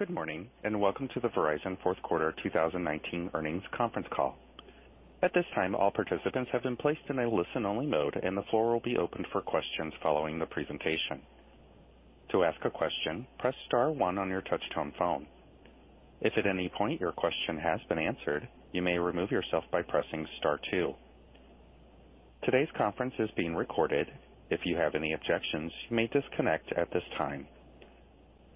Good morning. Welcome to the Verizon Fourth Quarter 2019 Earnings Conference Call. At this time, all participants have been placed in a listen-only mode. The floor will be opened for questions following the presentation. To ask a question, press star one on your touch-tone phone. If at any point your question has been answered, you may remove yourself by pressing star two. Today's conference is being recorded. If you have any objections, you may disconnect at this time.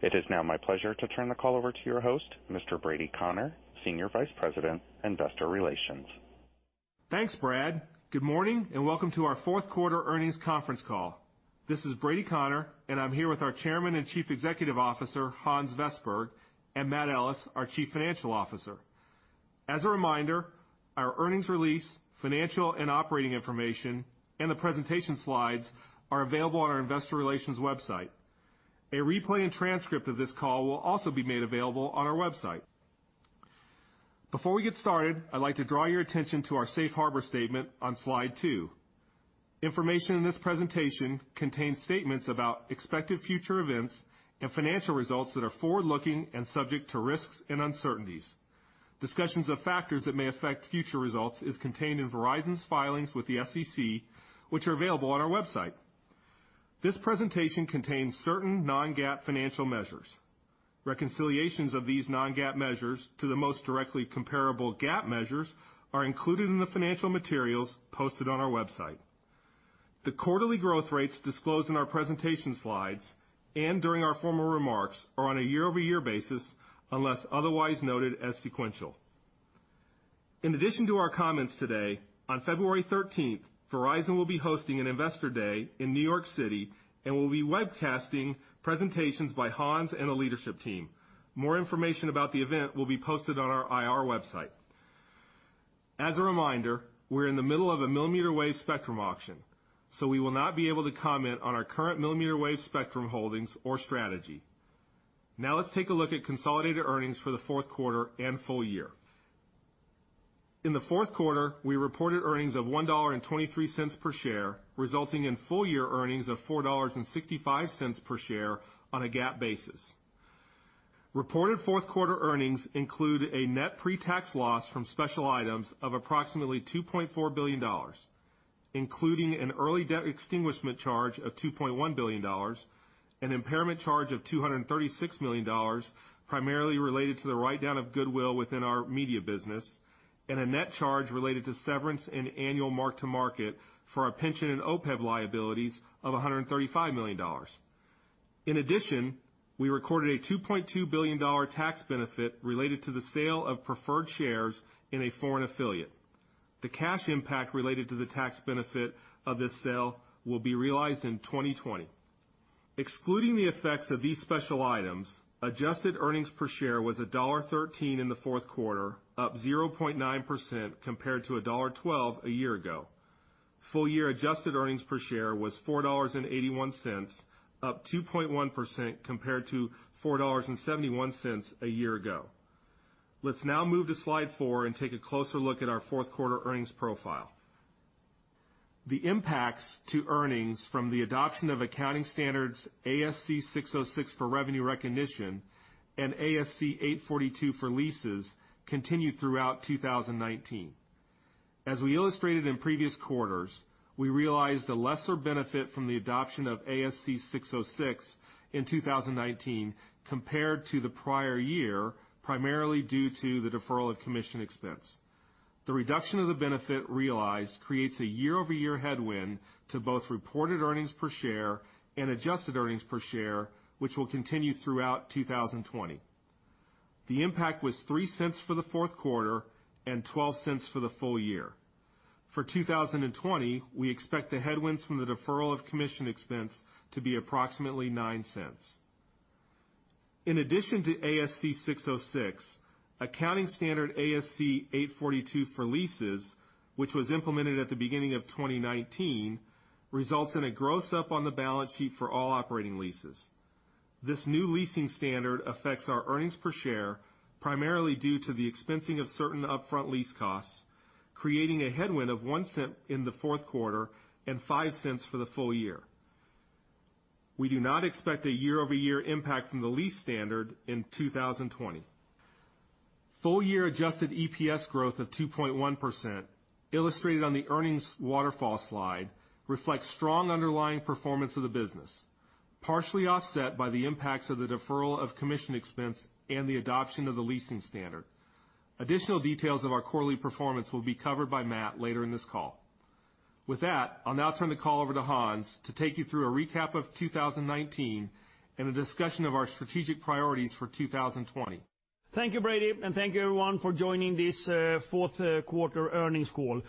It is now my pleasure to turn the call over to your host, Mr. Brady Connor, Senior Vice President, Investor Relations. Thanks, Brad. Good morning, and welcome to our fourth quarter earnings conference call. This is Brady Connor, and I'm here with our Chairman and Chief Executive Officer, Hans Vestberg, and Matt Ellis, our Chief Financial Officer. As a reminder, our earnings release, financial and operating information, and the presentation slides are available on our investor relations website. A replay and transcript of this call will also be made available on our website. Before we get started, I'd like to draw your attention to our safe harbor statement on slide two. Information in this presentation contains statements about expected future events and financial results that are forward-looking and subject to risks and uncertainties. Discussions of factors that may affect future results is contained in Verizon's filings with the SEC, which are available on our website. This presentation contains certain non-GAAP financial measures. Reconciliations of these non-GAAP measures to the most directly comparable GAAP measures are included in the financial materials posted on our website. The quarterly growth rates disclosed in our presentation slides and during our formal remarks are on a year-over-year basis, unless otherwise noted as sequential. In addition to our comments today, on February 13th, Verizon will be hosting an investor day in New York City and will be webcasting presentations by Hans and the leadership team. More information about the event will be posted on our IR website. As a reminder, we're in the middle of a millimeter wave spectrum auction, so we will not be able to comment on our current millimeter wave spectrum holdings or strategy. Let's take a look at consolidated earnings for the fourth quarter and full year. In the fourth quarter, we reported earnings of $1.23 per share, resulting in full-year earnings of $4.65 per share on a GAAP basis. Reported fourth quarter earnings include a net pre-tax loss from special items of approximately $2.4 billion, including an early debt extinguishment charge of $2.1 billion, an impairment charge of $236 million, primarily related to the write-down of goodwill within our media business, and a net charge related to severance and annual mark-to-market for our pension and OPEB liabilities of $135 million. In addition, we recorded a $2.2 billion tax benefit related to the sale of preferred shares in a foreign affiliate. The cash impact related to the tax benefit of this sale will be realized in 2020. Excluding the effects of these special items, adjusted earnings per share was $1.13 in the fourth quarter, up 0.9% compared to $1.12 a year ago. Full-year adjusted earnings per share was $4.81, up 2.1% compared to $4.71 a year ago. Let's now move to slide four and take a closer look at our fourth quarter earnings profile. The impacts to earnings from the adoption of accounting standards ASC 606 for revenue recognition and ASC 842 for leases continued throughout 2019. As we illustrated in previous quarters, we realized a lesser benefit from the adoption of ASC 606 in 2019 compared to the prior year, primarily due to the deferral of commission expense. The reduction of the benefit realized creates a year-over-year headwind to both reported earnings per share and adjusted earnings per share, which will continue throughout 2020. The impact was $0.03 for the fourth quarter and $0.12 for the full year. For 2020, we expect the headwinds from the deferral of commission expense to be approximately $0.09. In addition to ASC 606, accounting standard ASC 842 for leases, which was implemented at the beginning of 2019, results in a gross up on the balance sheet for all operating leases. This new leasing standard affects our earnings per share, primarily due to the expensing of certain upfront lease costs, creating a headwind of $0.01 in the fourth quarter and $0.05 for the full year. We do not expect a year-over-year impact from the lease standard in 2020. Full-year adjusted EPS growth of 2.1%, illustrated on the earnings waterfall slide, reflects strong underlying performance of the business, partially offset by the impacts of the deferral of commission expense and the adoption of the leasing standard. Additional details of our quarterly performance will be covered by Matt later in this call. With that, I'll now turn the call over to Hans to take you through a recap of 2019 and a discussion of our strategic priorities for 2020. Thank you, Brady, and thank you everyone for joining this fourth quarter earnings call.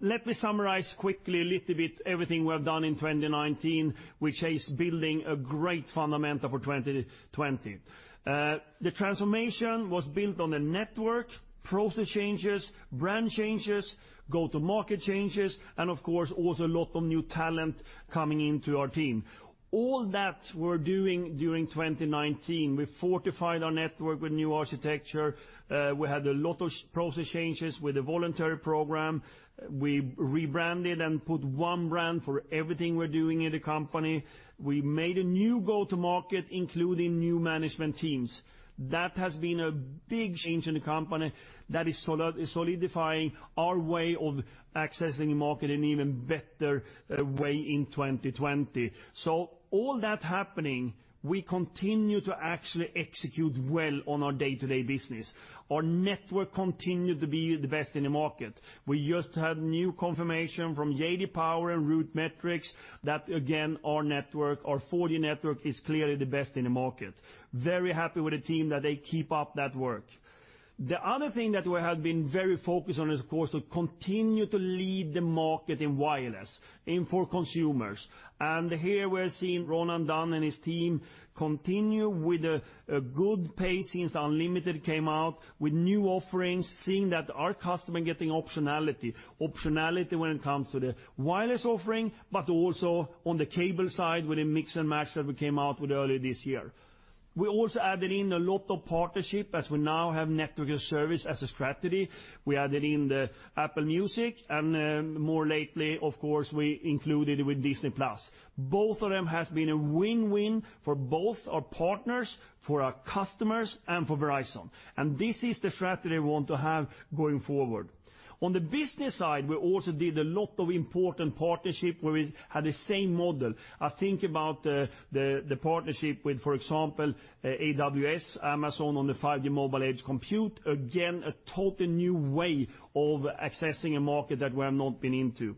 Let me summarize quickly, a little bit, everything we have done in 2019, which is building a great fundament for 2020. The transformation was built on the network, process changes, brand changes, go to market changes, and of course, also a lot of new talent coming into our team. All that we're doing during 2019, we fortified our network with new architecture. We had a lot of process changes with a voluntary program. We rebranded and put one brand for everything we're doing in the company. We made a new go to market, including new management teams. That has been a big change in the company. That is solidifying our way of accessing the market in an even better way in 2020. All that happening, we continue to actually execute well on our day-to-day business. Our network continued to be the best in the market. We just had new confirmation from J.D. Power and RootMetrics that, again, our 4G network is clearly the best in the market. Very happy with the team that they keep up that work. The other thing that we have been very focused on is, of course, to continue to lead the market in wireless and for consumers. Here we're seeing Ronan Dunne and his team continue with a good pace since Unlimited came out, with new offerings, seeing that our customer getting optionality. Optionality when it comes to the wireless offering, but also on the cable side with the Mix and Match that we came out with earlier this year. We also added in a lot of partnership as we now have network as service as a strategy. We added in the Apple Music and more lately, of course, we included with Disney+. Both of them has been a win-win for both our partners, for our customers, and for Verizon. This is the strategy we want to have going forward. On the business side, we also did a lot of important partnership where we had the same model. I think about the partnership with, for example, AWS, Amazon on the 5G mobile edge compute. A totally new way of accessing a market that we have not been into.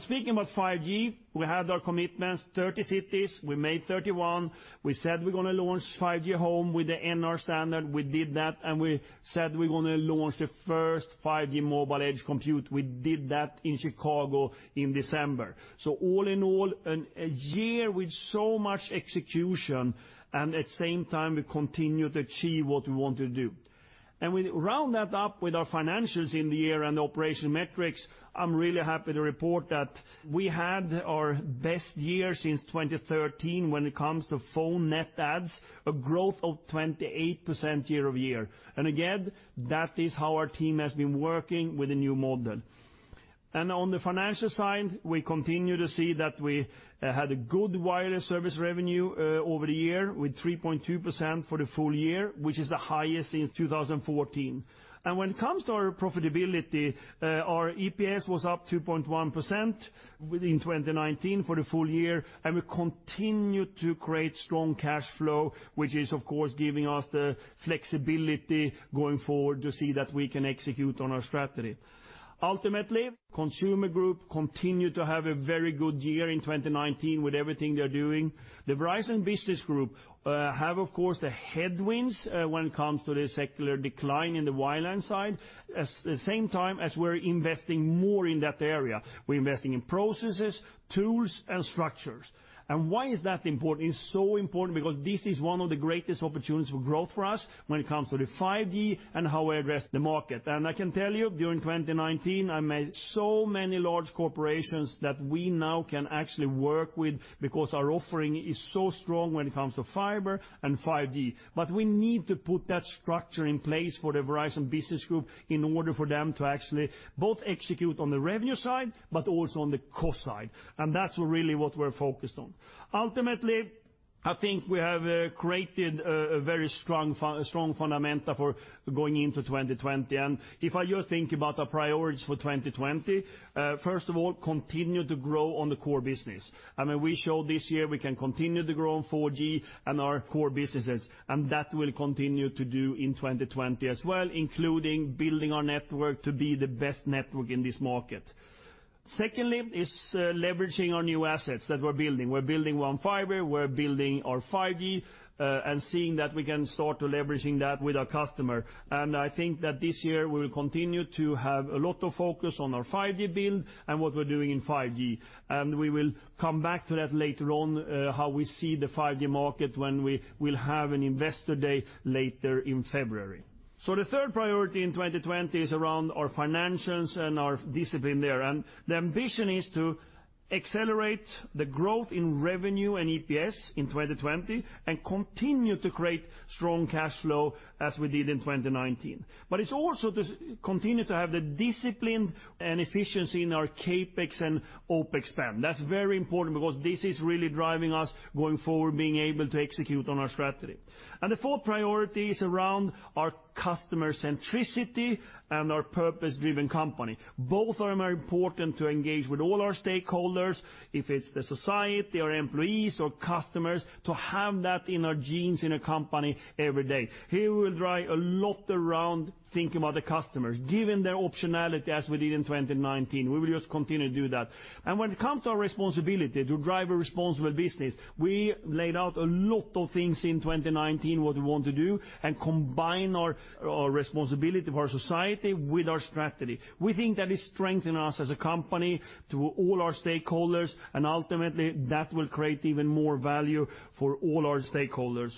Speaking about 5G, we had our commitments, 30 cities. We made 31. We said we're going to launch 5G Home with the NR standard. We did that. We said we're going to launch the first 5G mobile edge compute. We did that in Chicago in December. All in all, a year with so much execution, and at the same time, we continue to achieve what we want to do. We round that up with our financials in the year and the operation metrics. I'm really happy to report that we had our best year since 2013 when it comes to phone net adds, a growth of 28% year-over-year. Again, that is how our team has been working with the new model. On the financial side, we continue to see that we had a good wireless service revenue over the year with 3.2% for the full year, which is the highest since 2014. When it comes to our profitability, our EPS was up 2.1% in 2019 for the full year, and we continue to create strong cash flow, which is of course giving us the flexibility going forward to see that we can execute on our strategy. Ultimately, consumer group continued to have a very good year in 2019 with everything they're doing. The Verizon Business Group have, of course, the headwinds when it comes to the secular decline in the wireline side, at the same time as we're investing more in that area. We're investing in processes, tools, and structures. Why is that important? It's so important because this is one of the greatest opportunities for growth for us when it comes to the 5G and how we address the market. I can tell you, during 2019, I made so many large corporations that we now can actually work with because our offering is so strong when it comes to fiber and 5G. We need to put that structure in place for the Verizon Business Group in order for them to actually both execute on the revenue side, but also on the cost side. That's really what we're focused on. Ultimately, I think we have created a very strong fundament for going into 2020. If I just think about our priorities for 2020, first of all, continue to grow on the core business. I mean, we showed this year we can continue to grow on 4G and our core businesses, and that we'll continue to do in 2020 as well, including building our network to be the best network in this market. Leveraging our new assets that we're building. We're building on fiber, we're building our 5G, seeing that we can start to leveraging that with our customer. I think that this year we will continue to have a lot of focus on our 5G build and what we're doing in 5G. We will come back to that later on, how we see the 5G market when we will have an investor day later in February. The third priority in 2020 is around our financials and our discipline there. The ambition is to accelerate the growth in revenue and EPS in 2020 and continue to create strong cash flow as we did in 2019. It's also to continue to have the discipline and efficiency in our CapEx and OpEx spend. That's very important because this is really driving us going forward, being able to execute on our strategy. The fourth priority is around our customer centricity and our purpose-driven company. Both are very important to engage with all our stakeholders, if it's the society or employees or customers, to have that in our genes in a company every day. Here, we will drive a lot around thinking about the customers, giving their optionality as we did in 2019. We will just continue to do that. When it comes to our responsibility to drive a responsible business, we laid out a lot of things in 2019 what we want to do and combine our responsibility for our society with our strategy. We think that it strengthen us as a company to all our stakeholders, and ultimately that will create even more value for all our stakeholders.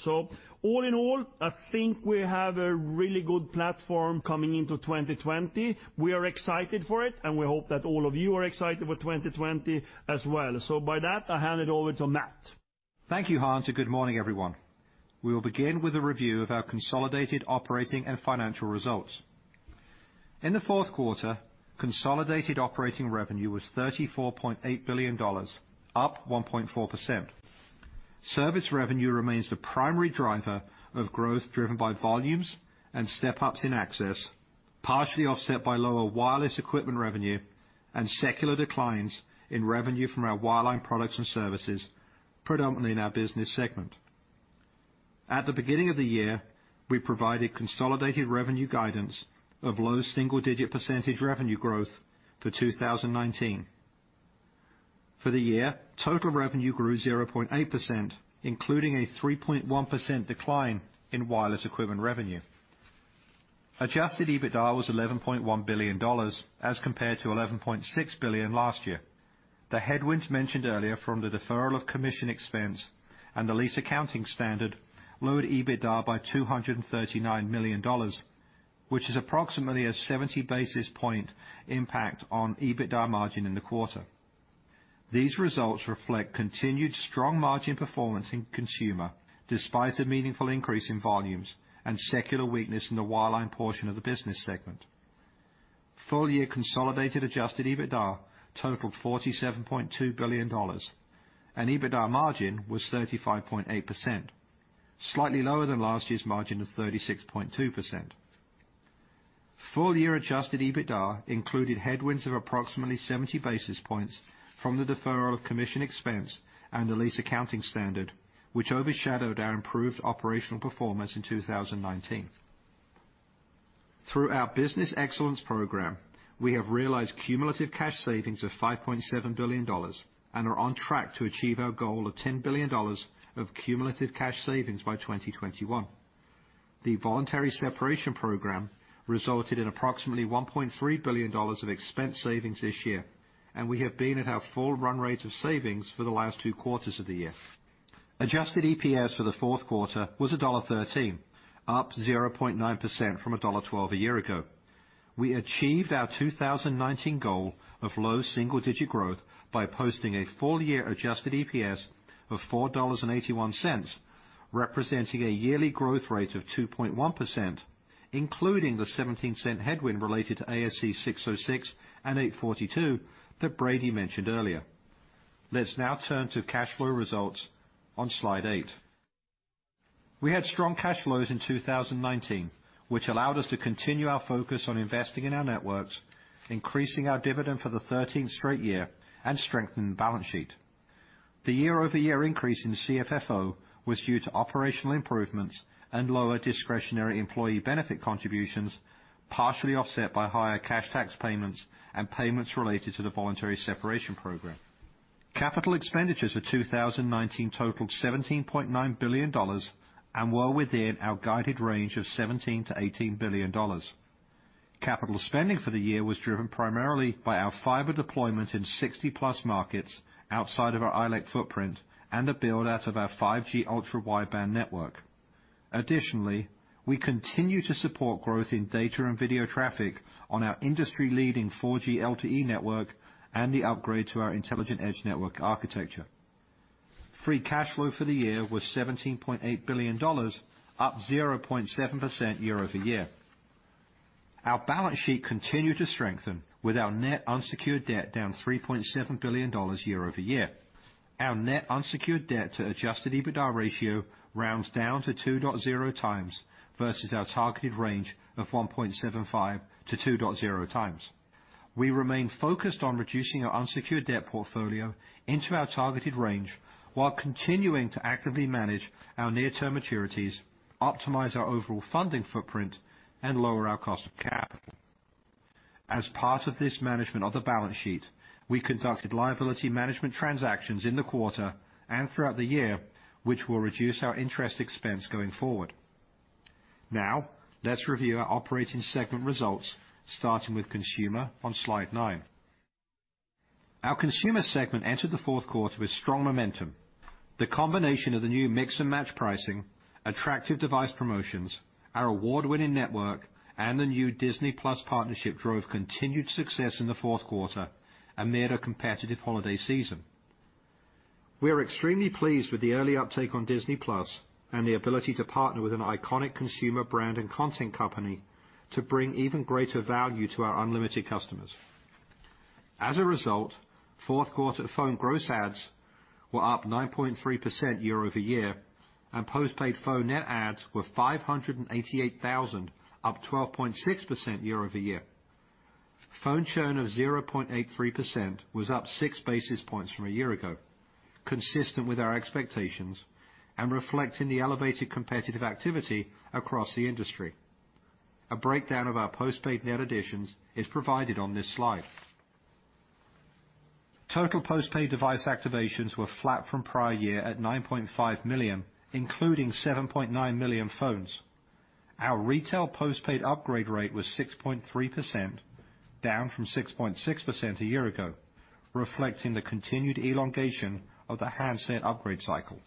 All in all, I think we have a really good platform coming into 2020. We are excited for it, and we hope that all of you are excited for 2020 as well. With that, I hand it over to Matt. Thank you, Hans, and good morning, everyone. We will begin with a review of our consolidated operating and financial results. In the fourth quarter, consolidated operating revenue was $34.8 billion, up 1.4%. Service revenue remains the primary driver of growth driven by volumes and step-ups in access, partially offset by lower wireless equipment revenue and secular declines in revenue from our wireline products and services, predominantly in our business segment. At the beginning of the year, we provided consolidated revenue guidance of low single-digit percentage revenue growth for 2019. For the year, total revenue grew 0.8%, including a 3.1% decline in wireless equipment revenue. Adjusted EBITDA was $11.1 billion as compared to $11.6 billion last year. The headwinds mentioned earlier from the deferral of commission expense and the lease accounting standard lowered EBITDA by $239 million, which is approximately a 70 basis point impact on EBITDA margin in the quarter. These results reflect continued strong margin performance in consumer, despite a meaningful increase in volumes and secular weakness in the wireline portion of the business segment. Full-year consolidated adjusted EBITDA totaled $47.2 billion and EBITDA margin was 35.8%, slightly lower than last year's margin of 36.2%. Full-year adjusted EBITDA included headwinds of approximately 70 basis points from the deferral of commission expense and the lease accounting standard, which overshadowed our improved operational performance in 2019. Through our business excellence program, we have realized cumulative cash savings of $5.7 billion and are on track to achieve our goal of $10 billion of cumulative cash savings by 2021. The voluntary separation program resulted in approximately $1.3 billion of expense savings this year, and we have been at our full run rate of savings for the last two quarters of the year. Adjusted EPS for the fourth quarter was $1.13, up 0.9% from $1.12 a year ago. We achieved our 2019 goal of low single-digit growth by posting a full-year adjusted EPS of $4.81, representing a yearly growth rate of 2.1%, including the $0.17 headwind related to ASC 606 and ASC 842 that Brady mentioned earlier. Let's now turn to cash flow results on slide eight. We had strong cash flows in 2019, which allowed us to continue our focus on investing in our networks, increasing our dividend for the 13th straight year, and strengthen the balance sheet. The year-over-year increase in CFFO was due to operational improvements and lower discretionary employee benefit contributions, partially offset by higher cash tax payments and payments related to the voluntary separation program. Capital expenditures for 2019 totaled $17.9 billion and were within our guided range of $17 billion-$18 billion. Capital spending for the year was driven primarily by our fiber deployment in 60+ markets outside of our ILEC footprint and a build-out of our 5G Ultra Wideband network. Additionally, we continue to support growth in data and video traffic on our industry-leading 4G LTE network and the upgrade to our Intelligent Edge Network architecture. Free cash flow for the year was $17.8 billion, up 0.7% year-over-year. Our balance sheet continued to strengthen with our net unsecured debt down $3.7 billion year-over-year. Our net unsecured debt to adjusted EBITDA ratio rounds down to 2.0x versus our targeted range of 1.75x to 2.0x. We remain focused on reducing our unsecured debt portfolio into our targeted range while continuing to actively manage our near-term maturities, optimize our overall funding footprint, and lower our cost of capital. As part of this management of the balance sheet, we conducted liability management transactions in the quarter and throughout the year, which will reduce our interest expense going forward. Now, let's review our operating segment results, starting with Consumer on slide nine. Our Consumer segment entered the fourth quarter with strong momentum. The combination of the new Mix and Match pricing, attractive device promotions, our award-winning network, and the new Disney+ partnership drove continued success in the fourth quarter amid a competitive holiday season. We are extremely pleased with the early uptake on Disney+ and the ability to partner with an iconic consumer brand and content company to bring even greater value to our Unlimited customers. As a result, fourth quarter phone gross adds were up 9.3% year-over-year, and postpaid phone net adds were 588,000, up 12.6% year-over-year. Phone churn of 0.83% was up 6 basis points from a year ago, consistent with our expectations and reflecting the elevated competitive activity across the industry. A breakdown of our postpaid net additions is provided on this slide. Total postpaid device activations were flat from prior year at 9.5 million, including 7.9 million phones. Our retail postpaid upgrade rate was 6.3%, down from 6.6% a year ago, reflecting the continued elongation of the handset upgrade cycle.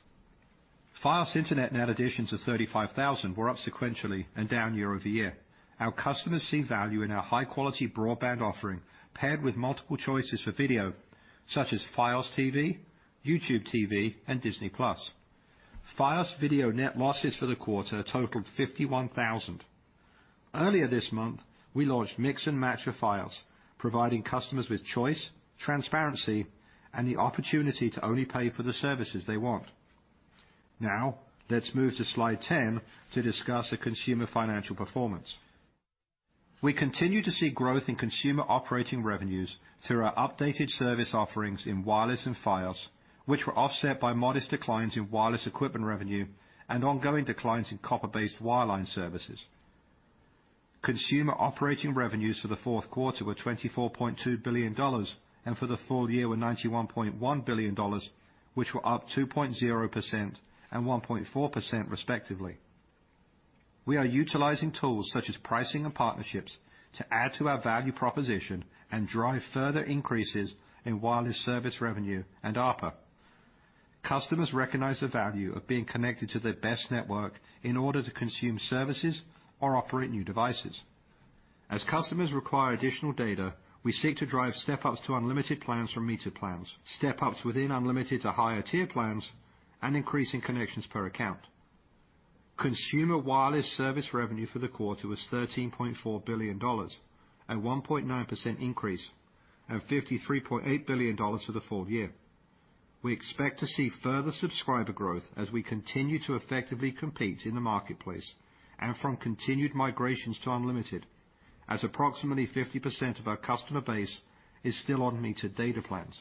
Fios internet net additions of 35,000 were up sequentially and down year-over-year. Our customers see value in our high-quality broadband offering, paired with multiple choices for video, such as Fios TV, YouTube TV, and Disney+. Fios video net losses for the quarter totaled 51,000. Earlier this month, we launched Mix and Match with Fios, providing customers with choice, transparency, and the opportunity to only pay for the services they want. Now, let's move to slide 10 to discuss the consumer financial performance. We continue to see growth in consumer operating revenues through our updated service offerings in wireless and Fios, which were offset by modest declines in wireless equipment revenue and ongoing declines in copper-based wireline services. Consumer operating revenues for the fourth quarter were $24.2 billion, and for the full year were $91.1 billion, which were up 2.0% and 1.4% respectively. We are utilizing tools such as pricing and partnerships to add to our value proposition and drive further increases in wireless service revenue and ARPA. Customers recognize the value of being connected to the best network in order to consume services or operate new devices. As customers require additional data, we seek to drive step-ups to Unlimited plans from metered plans, step-ups within Unlimited to higher tier plans, and increasing connections per account. Consumer wireless service revenue for the quarter was $13.4 billion, a 1.9% increase, and $53.8 billion for the full year. We expect to see further subscriber growth as we continue to effectively compete in the marketplace and from continued migrations to Unlimited, as approximately 50% of our customer base is still on metered data plans.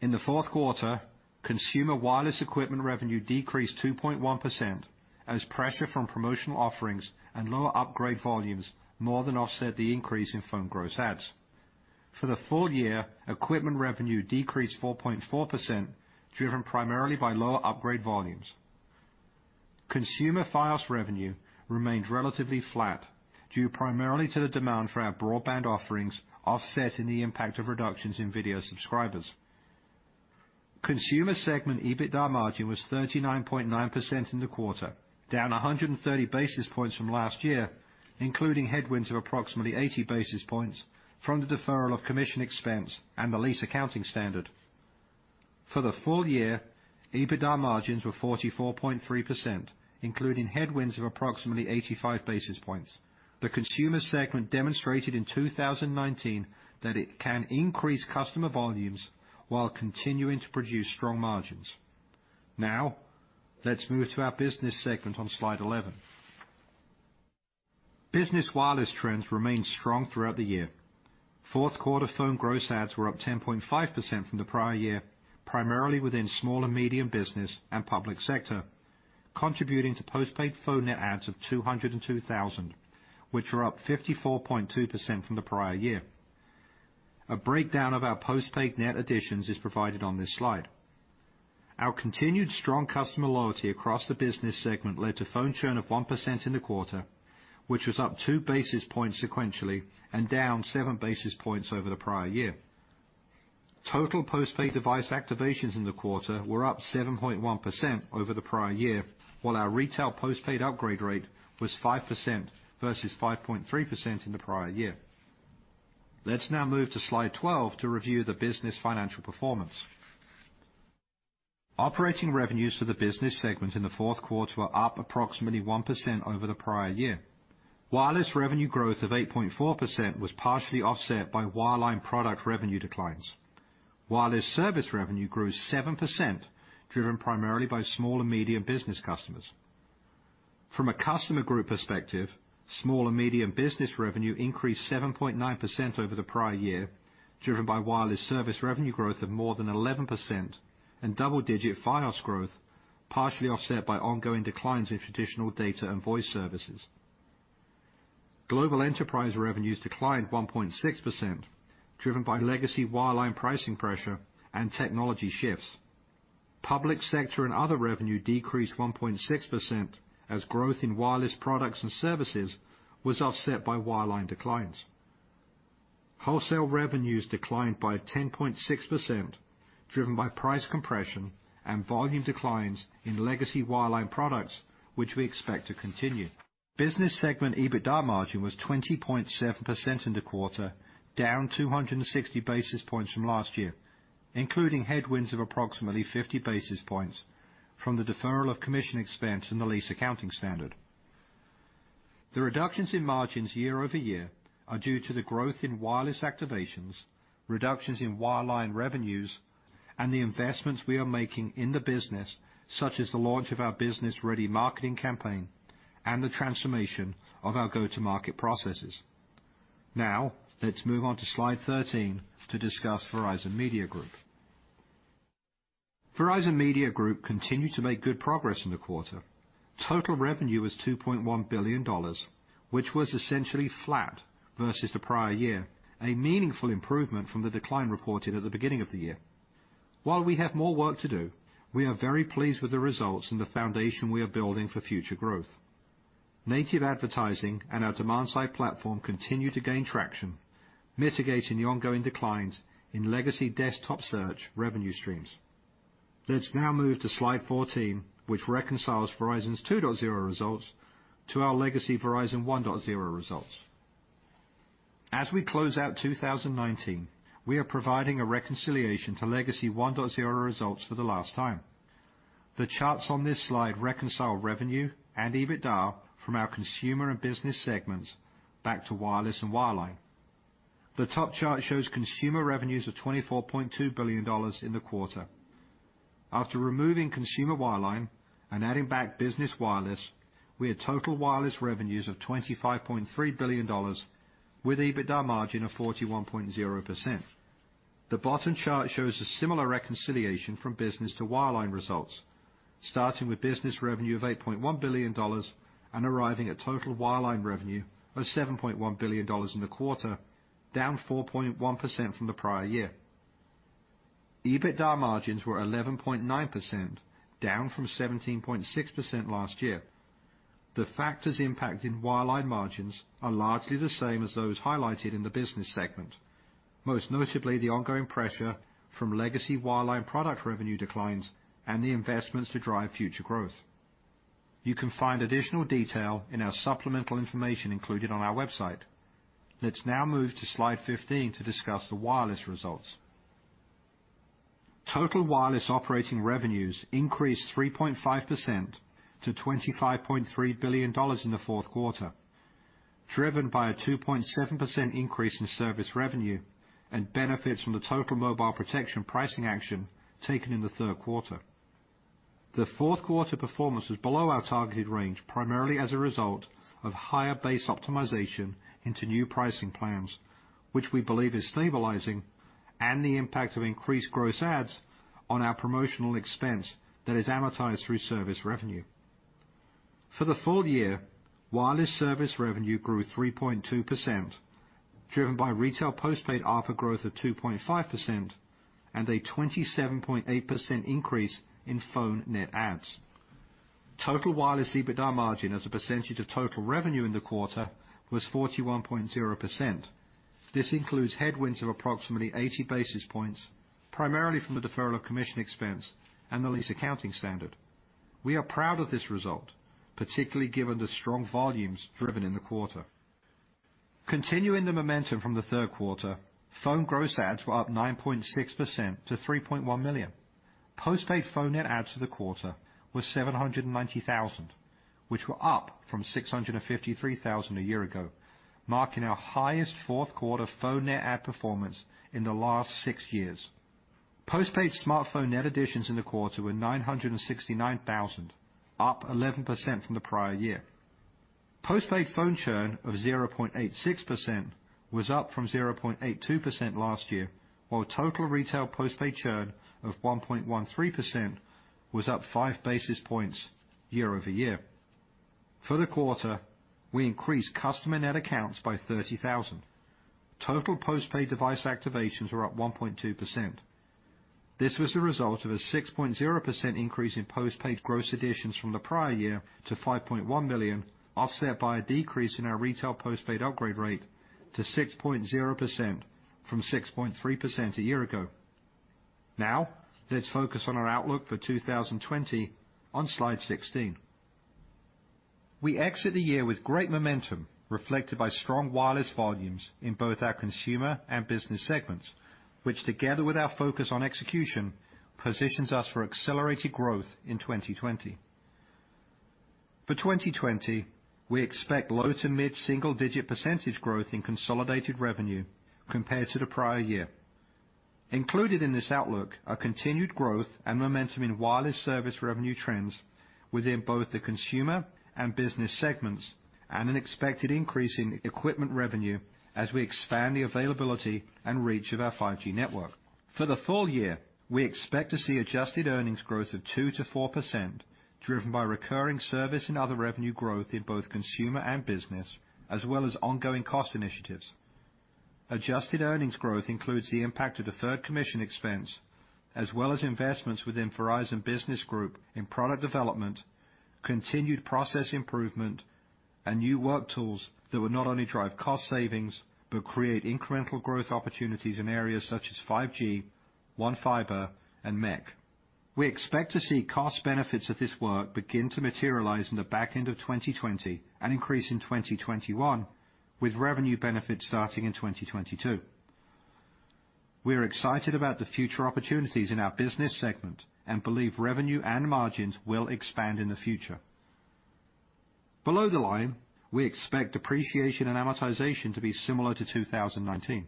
In the fourth quarter, consumer wireless equipment revenue decreased 2.1% as pressure from promotional offerings and lower upgrade volumes more than offset the increase in phone gross adds. For the full year, equipment revenue decreased 4.4%, driven primarily by lower upgrade volumes. Consumer Fios revenue remained relatively flat due primarily to the demand for our broadband offerings, offset in the impact of reductions in video subscribers. Consumer segment EBITDA margin was 39.9% in the quarter, down 130 basis points from last year, including headwinds of approximately 80 basis points from the deferral of commission expense and the lease accounting standard. For the full year, EBITDA margins were 44.3%, including headwinds of approximately 85 basis points. The consumer segment demonstrated in 2019 that it can increase customer volumes while continuing to produce strong margins. Let's move to our business segment on slide 11. Business wireless trends remained strong throughout the year. Fourth quarter phone gross adds were up 10.5% from the prior year, primarily within small and medium business and public sector, contributing to postpaid phone net adds of 202,000, which were up 54.2% from the prior year. A breakdown of our postpaid net additions is provided on this slide. Our continued strong customer loyalty across the business segment led to phone churn of 1% in the quarter, which was up 2 basis points sequentially and down 7 basis points over the prior year. Total postpaid device activations in the quarter were up 7.1% over the prior year, while our retail postpaid upgrade rate was 5% versus 5.3% in the prior year. Let's now move to slide 12 to review the business financial performance. Operating revenues for the business segment in the fourth quarter were up approximately 1% over the prior year. Wireless revenue growth of 8.4% was partially offset by wireline product revenue declines. Wireless service revenue grew 7%, driven primarily by small and medium business customers. From a customer group perspective, small and medium business revenue increased 7.9% over the prior year, driven by wireless service revenue growth of more than 11% and double-digit Fios growth, partially offset by ongoing declines in traditional data and voice services. Global enterprise revenues declined 1.6%, driven by legacy wireline pricing pressure and technology shifts. Public sector and other revenue decreased 1.6% as growth in wireless products and services was offset by wireline declines. Wholesale revenues declined by 10.6%, driven by price compression and volume declines in legacy wireline products, which we expect to continue. Business segment EBITDA margin was 20.7% in the quarter, down 260 basis points from last year, including headwinds of approximately 50 basis points from the deferral of commission expense in the lease accounting standard. The reductions in margins year-over-year are due to the growth in wireless activations, reductions in wireline revenues, and the investments we are making in the business, such as the launch of our Business Ready marketing campaign and the transformation of our go-to-market processes. Let's move on to slide 13 to discuss Verizon Media Group. Verizon Media Group continued to make good progress in the quarter. Total revenue was $2.1 billion, which was essentially flat versus the prior year, a meaningful improvement from the decline reported at the beginning of the year. While we have more work to do, we are very pleased with the results and the foundation we are building for future growth. Native advertising and our demand-side platform continue to gain traction, mitigating the ongoing declines in legacy desktop search revenue streams. Let's now move to slide 14, which reconciles Verizon 2.0 results to our legacy 1.0 results. As we close out 2019, we are providing a reconciliation to legacy 1.0 results for the last time. The charts on this slide reconcile revenue and EBITDA from our consumer and business segments back to wireless and wireline. The top chart shows consumer revenues of $24.2 billion in the quarter. After removing consumer wireline and adding back business wireless, we had total wireless revenues of $25.3 billion, with EBITDA margin of 41.0%. The bottom chart shows a similar reconciliation from business to wireline results, starting with business revenue of $8.1 billion and arriving at total wireline revenue of $7.1 billion in the quarter, down 4.1% from the prior year. EBITDA margins were 11.9%, down from 17.6% last year. The factors impacting wireline margins are largely the same as those highlighted in the business segment, most notably the ongoing pressure from legacy wireline product revenue declines and the investments to drive future growth. You can find additional detail in our supplemental information included on our website. Let's now move to slide 15 to discuss the wireless results. Total wireless operating revenues increased 3.5% to $25.3 billion in the fourth quarter, driven by a 2.7% increase in service revenue and benefits from the Total Mobile Protection pricing action taken in the third quarter. The fourth quarter performance was below our targeted range, primarily as a result of higher base optimization into new pricing plans, which we believe is stabilizing, and the impact of increased gross adds on our promotional expense that is amortized through service revenue. For the full year, wireless service revenue grew 3.2%, driven by retail postpaid ARPA growth of 2.5% and a 27.8% increase in phone net adds. Total wireless EBITDA margin as a percentage of total revenue in the quarter was 41.0%. This includes headwinds of approximately 80 basis points, primarily from the deferral of commission expense and the lease accounting standard. We are proud of this result, particularly given the strong volumes driven in the quarter. Continuing the momentum from the third quarter, phone gross adds were up 9.6% to 3.1 million. Postpaid phone net adds for the quarter were 790,000, which were up from 653,000 a year ago, marking our highest fourth quarter phone net add performance in the last six years. Postpaid smartphone net additions in the quarter were 969,000, up 11% from the prior year. Postpaid phone churn of 0.86% was up from 0.82% last year, while total retail postpaid churn of 1.13% was up five basis points year-over-year. For the quarter, we increased customer net accounts by 30,000. Total postpaid device activations were up 1.2%. This was the result of a 6.0% increase in postpaid gross additions from the prior year to 5.1 million, offset by a decrease in our retail postpaid upgrade rate to 6.0% from 6.3% a year ago. Now, let's focus on our outlook for 2020 on slide 16. We exit the year with great momentum, reflected by strong wireless volumes in both our consumer and business segments, which together with our focus on execution, positions us for accelerated growth in 2020. For 2020, we expect low to mid single-digit percentage growth in consolidated revenue compared to the prior year. Included in this outlook are continued growth and momentum in wireless service revenue trends within both the consumer and business segments, and an expected increase in equipment revenue as we expand the availability and reach of our 5G network. For the full year, we expect to see adjusted earnings growth of 2%-4%, driven by recurring service and other revenue growth in both consumer and business, as well as ongoing cost initiatives. Adjusted earnings growth includes the impact of deferred commission expense as well as investments within Verizon Business Group in product development, continued process improvement, and new work tools that will not only drive cost savings, but create incremental growth opportunities in areas such as 5G, One Fiber, and MEC. We expect to see cost benefits of this work begin to materialize in the back end of 2020 and increase in 2021, with revenue benefits starting in 2022. We are excited about the future opportunities in our business segment and believe revenue and margins will expand in the future. Below the line, we expect depreciation and amortization to be similar to 2019.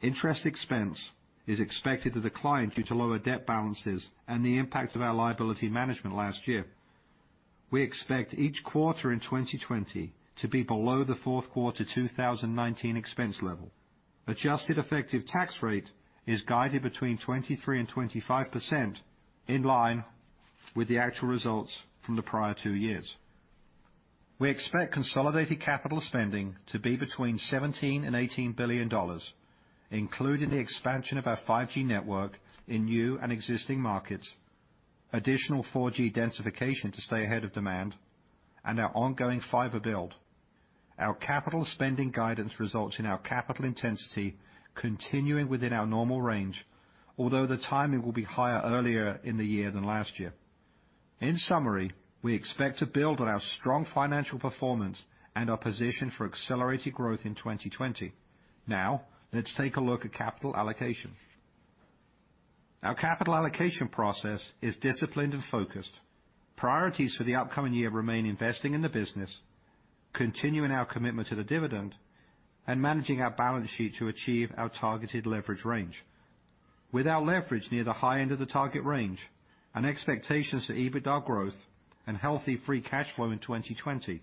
Interest expense is expected to decline due to lower debt balances and the impact of our liability management last year. We expect each quarter in 2020 to be below the fourth quarter 2019 expense level. Adjusted effective tax rate is guided between 23% and 25%, in line with the actual results from the prior two years. We expect consolidated capital spending to be between $17 billion and $18 billion, including the expansion of our 5G network in new and existing markets, additional 4G densification to stay ahead of demand, and our ongoing fiber build. Our capital spending guidance results in our capital intensity continuing within our normal range, although the timing will be higher earlier in the year than last year. In summary, we expect to build on our strong financial performance and our position for accelerated growth in 2020. Let's take a look at capital allocation. Our capital allocation process is disciplined and focused. Priorities for the upcoming year remain investing in the business, continuing our commitment to the dividend, and managing our balance sheet to achieve our targeted leverage range. With our leverage near the high end of the target range, and expectations for EBITDA growth and healthy free cash flow in 2020,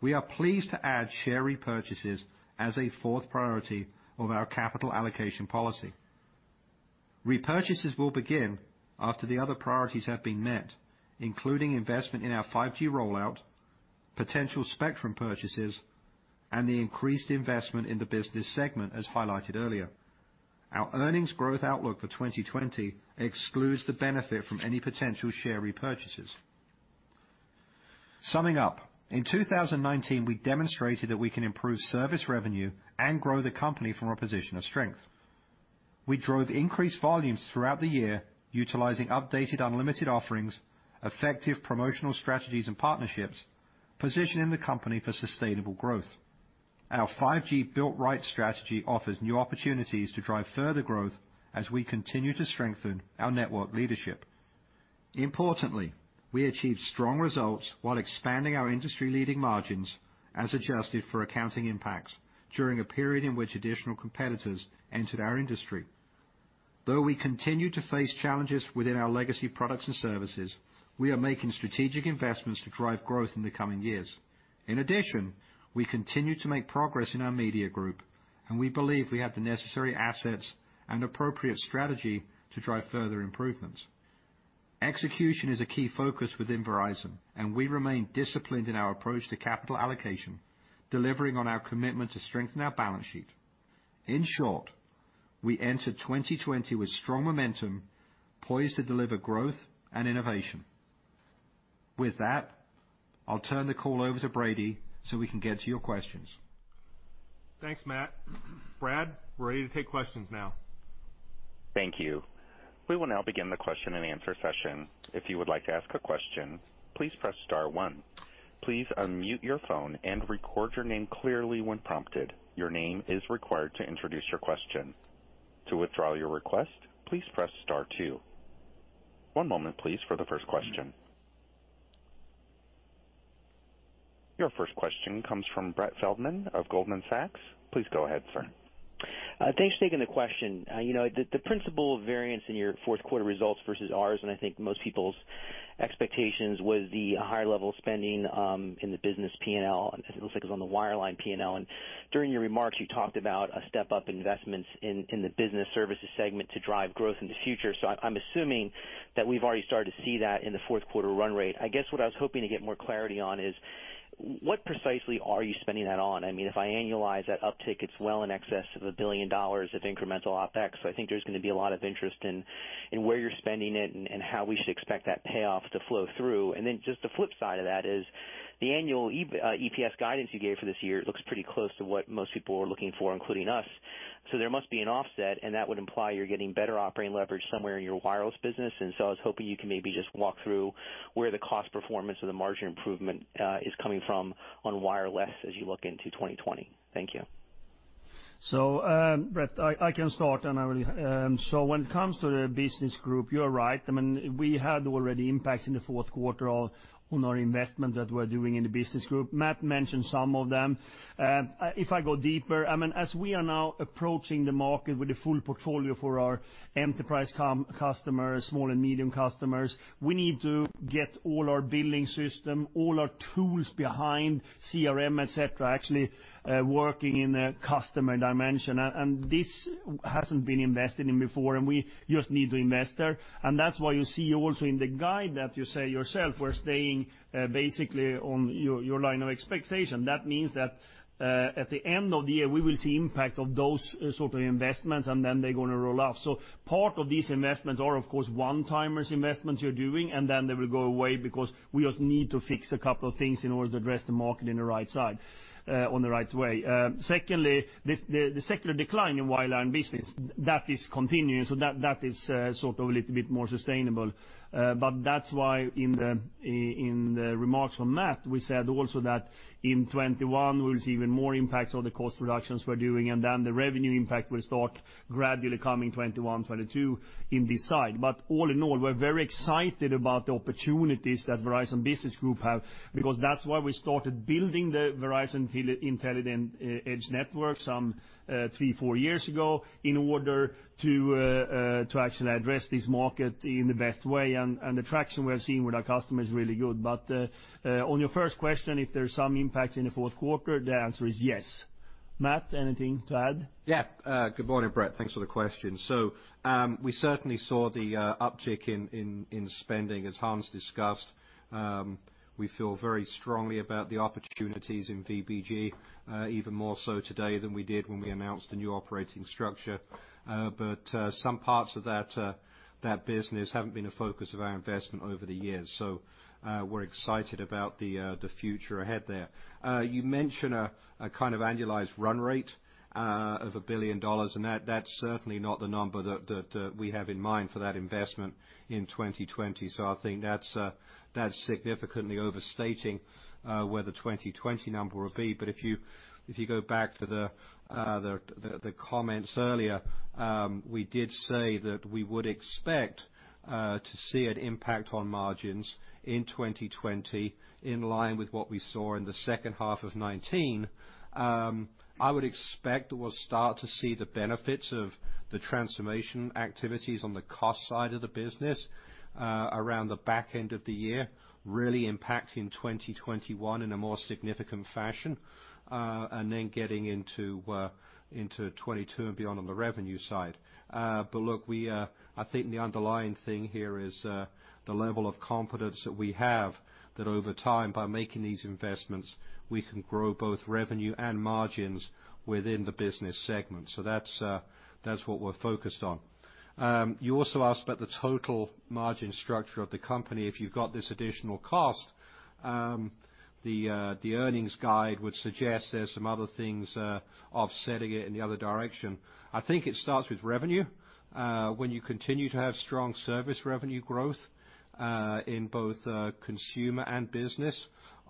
we are pleased to add share repurchases as a fourth priority of our capital allocation policy. Repurchases will begin after the other priorities have been met, including investment in our 5G rollout, potential spectrum purchases, and the increased investment in the business segment, as highlighted earlier. Our earnings growth outlook for 2020 excludes the benefit from any potential share repurchases. Summing up, in 2019, we demonstrated that we can improve service revenue and grow the company from a position of strength. We drove increased volumes throughout the year, utilizing updated Unlimited offerings, effective promotional strategies and partnerships, positioning the company for sustainable growth. Our 5G build right strategy offers new opportunities to drive further growth as we continue to strengthen our network leadership. Importantly, we achieved strong results while expanding our industry-leading margins, as adjusted for accounting impacts, during a period in which additional competitors entered our industry. Though we continue to face challenges within our legacy products and services, we are making strategic investments to drive growth in the coming years. In addition, we continue to make progress in our Media Group, and we believe we have the necessary assets and appropriate strategy to drive further improvements. Execution is a key focus within Verizon, and we remain disciplined in our approach to capital allocation, delivering on our commitment to strengthen our balance sheet. In short, we enter 2020 with strong momentum, poised to deliver growth and innovation. With that, I'll turn the call over to Brady so we can get to your questions. Thanks, Matt. Brad, we're ready to take questions now. Thank you. We will now begin the question and answer session. If you would like to ask a question, please press star one. Please unmute your phone and record your name clearly when prompted. Your name is required to introduce your question. To withdraw your request, please press star two. One moment, please, for the first question. Your first question comes from Brett Feldman of Goldman Sachs. Please go ahead, sir. Thanks for taking the question. The principal variance in your fourth quarter results versus ours, and I think most people's expectations, was the higher level spending in the business P&L. It looks like it was on the wireline P&L. During your remarks, you talked about a step-up investments in the business services segment to drive growth in the future. I'm assuming that we've already started to see that in the fourth quarter run rate. I guess what I was hoping to get more clarity on is, what precisely are you spending that on? If I annualize that uptick, it's well in excess of $1 billion of incremental OpEx. I think there's going to be a lot of interest in where you're spending it and how we should expect that payoff to flow through. Just the flip side of that is the annual EPS guidance you gave for this year looks pretty close to what most people were looking for, including us. There must be an offset, and that would imply you're getting better operating leverage somewhere in your wireless business. I was hoping you can maybe just walk through where the cost performance or the margin improvement is coming from on wireless as you look into 2020. Thank you. Brett, I can start. When it comes to the Business Group, you're right. We had already impacts in the fourth quarter on our investment that we're doing in the Business Group. Matt mentioned some of them. If I go deeper, as we are now approaching the market with the full portfolio for our enterprise customers, small and medium customers, we need to get all our billing system, all our tools behind CRM, et cetera, actually working in a customer dimension. This hasn't been invested in before, and we just need to invest there. That's why you see also in the guide that you say yourself, we're staying basically on your line of expectation. That means that at the end of the year, we will see impact of those sort of investments, and then they're going to roll off. Part of these investments are, of course, one-time investments you're doing, and then they will go away because we just need to fix a couple of things in order to address the market on the right way. Secondly, the secular decline in wireline business. That is continuing, so that is sort of a little bit more sustainable. That's why in the remarks from Matt, we said also that in 2021, we'll see even more impacts of the cost reductions we're doing, and then the revenue impact will start Gradually coming 2021, 2022 in this side. All in all, we're very excited about the opportunities that Verizon Business Group have, because that's why we started building the Verizon Intelligent Edge Network some three, four years ago in order to actually address this market in the best way. The traction we're seeing with our customers is really good. On your first question, if there's some impact in the fourth quarter, the answer is yes. Matt, anything to add? Good morning, Brett. Thanks for the question. We certainly saw the uptick in spending, as Hans discussed. We feel very strongly about the opportunities in VBG, even more so today than we did when we announced the new operating structure. Some parts of that business haven't been a focus of our investment over the years. We're excited about the future ahead there. You mentioned a kind of annualized run rate of $1 billion of net debt, that's certainly not the number that we have in mind for that investment in 2020. I think that's significantly overstating where the 2020 number will be. If you go back to the comments earlier, we did say that we would expect to see an impact on margins in 2020, in line with what we saw in the second half of 2019. I would expect we'll start to see the benefits of the transformation activities on the cost side of the business around the back end of the year, really impact in 2021 in a more significant fashion. Then getting into 2022 and beyond on the revenue side. Look, I think the underlying thing here is the level of confidence that we have, that over time, by making these investments, we can grow both revenue and margins within the business segment. That's what we're focused on. You also asked about the total margin structure of the company. If you've got this additional cost, the earnings guide would suggest there's some other things offsetting it in the other direction. I think it starts with revenue. When you continue to have strong service revenue growth, in both consumer and business,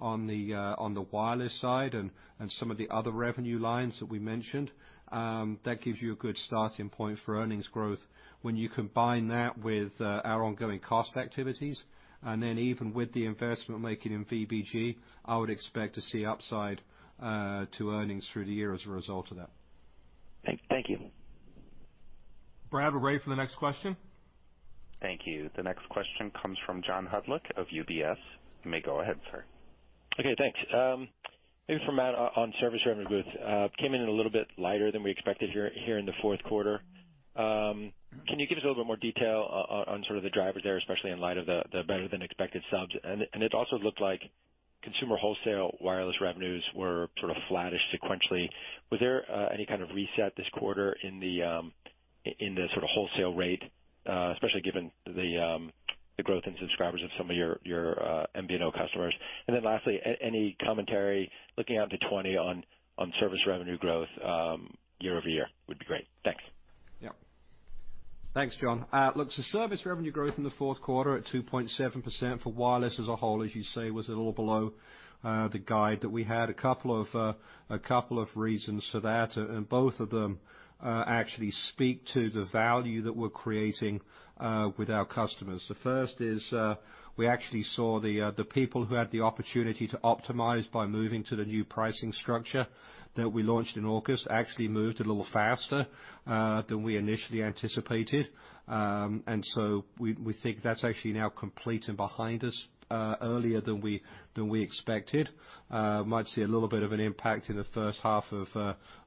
on the wireless side and some of the other revenue lines that we mentioned, that gives you a good starting point for earnings growth. When you combine that with our ongoing cost activities, and then even with the investment we're making in VBG, I would expect to see upside to earnings through the year as a result of that. Thank you. Brad, we're ready for the next question. Thank you. The next question comes from John Hodulik of UBS. You may go ahead, sir. Okay, thanks. Maybe for Matt, on service revenue, came in a little bit lighter than we expected here in the fourth quarter. Can you give us a little bit more detail on sort of the drivers there, especially in light of the better than expected subs? It also looked like consumer wholesale wireless revenues were sort of flattish sequentially. Was there any kind of reset this quarter in the sort of wholesale rate, especially given the growth in subscribers of some of your MVNO customers? Lastly, any commentary looking out to 2020 on service revenue growth year-over-year would be great. Thanks. Yeah. Thanks, John. Look, service revenue growth in the fourth quarter at 2.7% for wireless as a whole, as you say, was a little below the guide that we had. A couple of reasons for that, both of them actually speak to the value that we're creating with our customers. The first is, we actually saw the people who had the opportunity to optimize by moving to the new pricing structure that we launched in August, actually moved a little faster than we initially anticipated. We think that's actually now complete and behind us, earlier than we expected. Might see a little bit of an impact in the first half of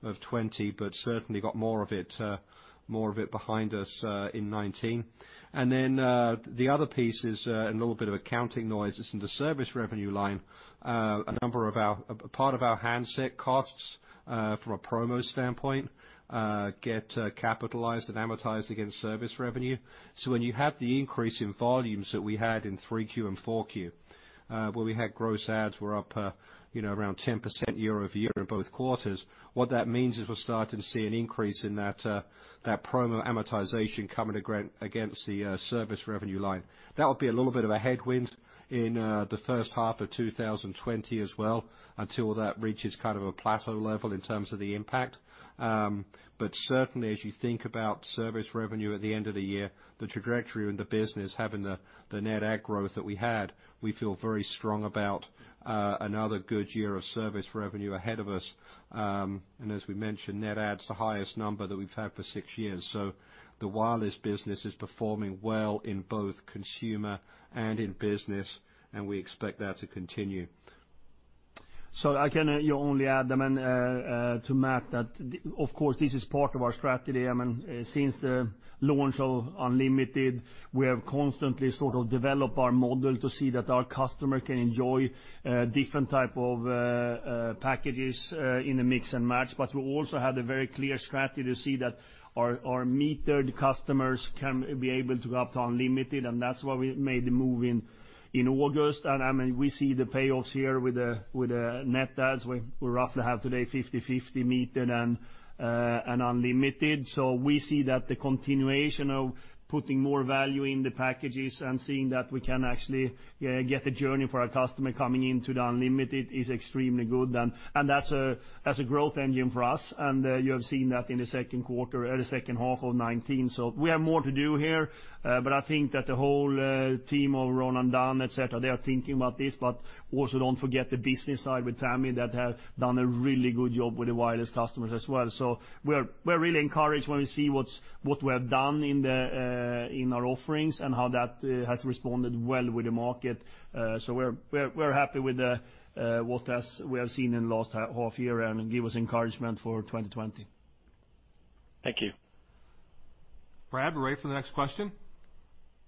2020, certainly got more of it behind us in 2019. The other piece is a little bit of accounting noise that's in the service revenue line. A part of our handset costs from a promo standpoint get capitalized and amortized against service revenue. When you have the increase in volumes that we had in 3Q and 4Q, where we had gross ads were up around 10% year-over-year in both quarters. What that means is we're starting to see an increase in that promo amortization coming against the service revenue line. That'll be a little bit of a headwind in the first half of 2020 as well, until that reaches kind of a plateau level in terms of the impact. Certainly, as you think about service revenue at the end of the year, the trajectory in the business, having the net add growth that we had, we feel very strong about another good year of service revenue ahead of us. As we mentioned, net add's the highest number that we've had for six years. The wireless business is performing well in both consumer and in business, and we expect that to continue. I can only add, to Matt, that of course, this is part of our strategy. Since the launch of Unlimited, we have constantly sort of developed our model to see that our customer can enjoy different type of packages in a Mix and Match. We also have the very clear strategy to see that our metered customers can be able to go up to Unlimited, and that's why we made the move In August, and we see the payoffs here with the net adds, where we roughly have today 50/50 metered and Unlimited. We see that the continuation of putting more value in the packages and seeing that we can actually get the journey for our customer coming into the Unlimited is extremely good. That's a growth engine for us. You have seen that in the second half of 2019. We have more to do here. I think that the whole team of Ronan Dunne, et cetera, they are thinking about this, but also don't forget the business side with Tami that have done a really good job with the wireless customers as well. We're really encouraged when we see what we have done in our offerings and how that has responded well with the market. We're happy with what we have seen in the last half year and give us encouragement for 2020. Thank you. Brad, we're ready for the next question.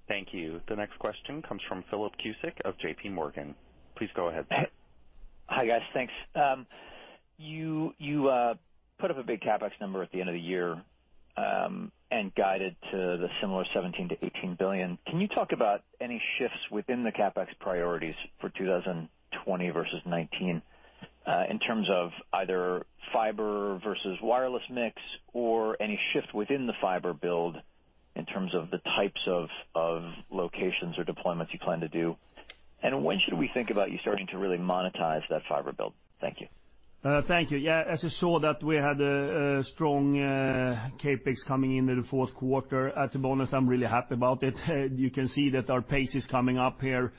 Thank you. The next question comes from Philip Cusick of JP Morgan. Please go ahead. Hi, guys. Thanks. You put up a big CapEx number at the end of the year, guided to the similar $17 billion-$18 billion. Can you talk about any shifts within the CapEx priorities for 2020 versus 2019, in terms of either fiber versus wireless mix or any shift within the fiber build in terms of the types of locations or deployments you plan to do? When should we think about you starting to really monetize that fiber build? Thank you. Thank you. Yeah, as you saw that we had a strong CapEx coming in the fourth quarter. As a bonus, I'm really happy about it. You can see that our pace is coming up here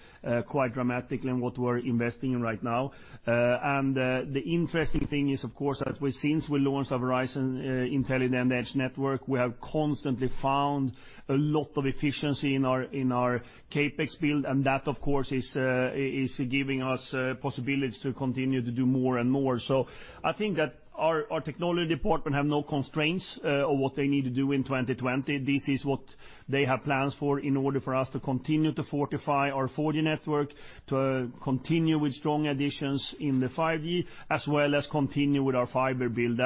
quite dramatically in what we're investing in right now. The interesting thing is, of course, that since we launched our Verizon Intelligent Edge Network, we have constantly found a lot of efficiency in our CapEx build. That, of course, is giving us possibilities to continue to do more and more. I think that our technology department have no constraints on what they need to do in 2020. This is what they have plans for in order for us to continue to fortify our 4G network, to continue with strong additions in the 5G, as well as continue with our fiber build.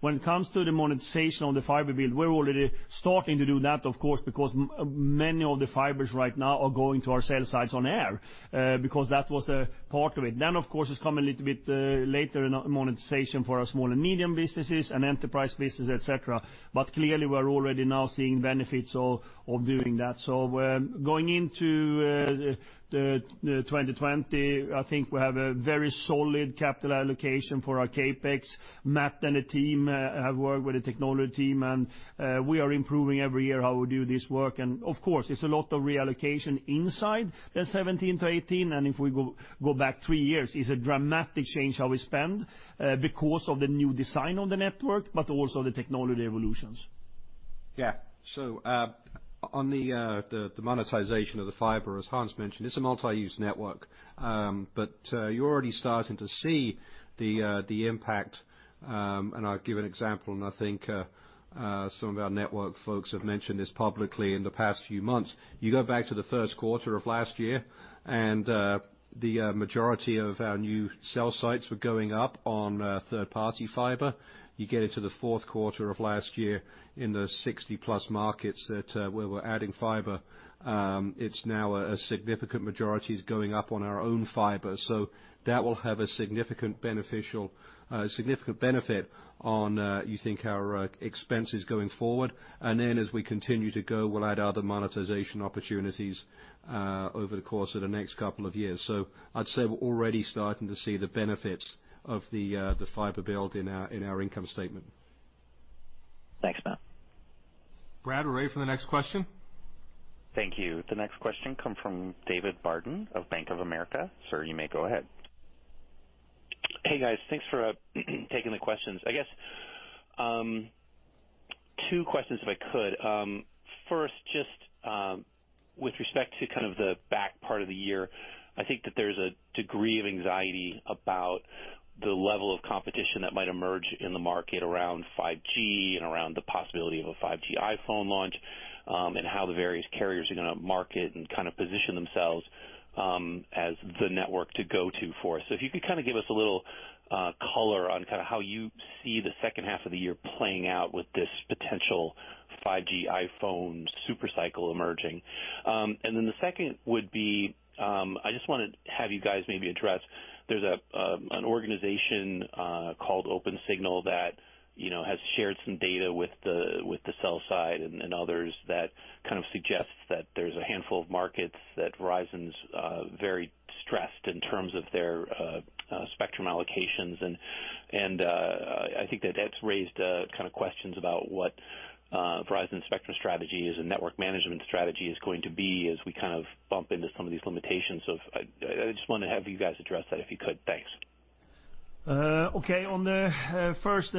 When it comes to the monetization on the fiber build, we're already starting to do that, of course, because many of the fibers right now are going to our cell sites on air, because that was a part of it. Of course, it's come a little bit later in monetization for our small and medium businesses and enterprise business, et cetera. Clearly, we're already now seeing benefits of doing that. Going into 2020, I think we have a very solid capital allocation for our CapEx. Matt and the team have worked with the technology team, and we are improving every year how we do this work. Of course, it's a lot of reallocation inside the 2017 to 2018, and if we go back three years, it's a dramatic change how we spend because of the new design on the network, but also the technology evolutions. On the monetization of the fiber, as Hans mentioned, it's a multi-use network. You're already starting to see the impact, I'll give an example, and I think some of our network folks have mentioned this publicly in the past few months. You go back to the first quarter of last year, the majority of our new cell sites were going up on third-party fiber. You get into the fourth quarter of last year in the 60+ markets where we're adding fiber, it's now a significant majority is going up on our own fiber. That will have a significant benefit on, you think, our expenses going forward. As we continue to go, we'll add other monetization opportunities over the course of the next couple of years. I'd say we're already starting to see the benefits of the fiber build in our income statement. Thanks, Matt. Brad, we're ready for the next question. Thank you. The next question come from David Barden of Bank of America. Sir, you may go ahead. Hey, guys. Thanks for taking the questions. I guess, two questions if I could. First, just with respect to the back part of the year, I think that there's a degree of anxiety about the level of competition that might emerge in the market around 5G and around the possibility of a 5G iPhone launch, and how the various carriers are going to market and position themselves as the network to go to for. If you could give us a little color on how you see the second half of the year playing out with this potential 5G iPhone super cycle emerging. The second would be, I just want to have you guys maybe address, there's an organization called Opensignal that has shared some data with the cell side and others that suggests that there's a handful of markets that Verizon's very stressed in terms of their spectrum allocations. I think that that's raised questions about what Verizon's spectrum strategy is and network management strategy is going to be as we bump into some of these limitations. I just wanted to have you guys address that if you could. Thanks. Okay. On the first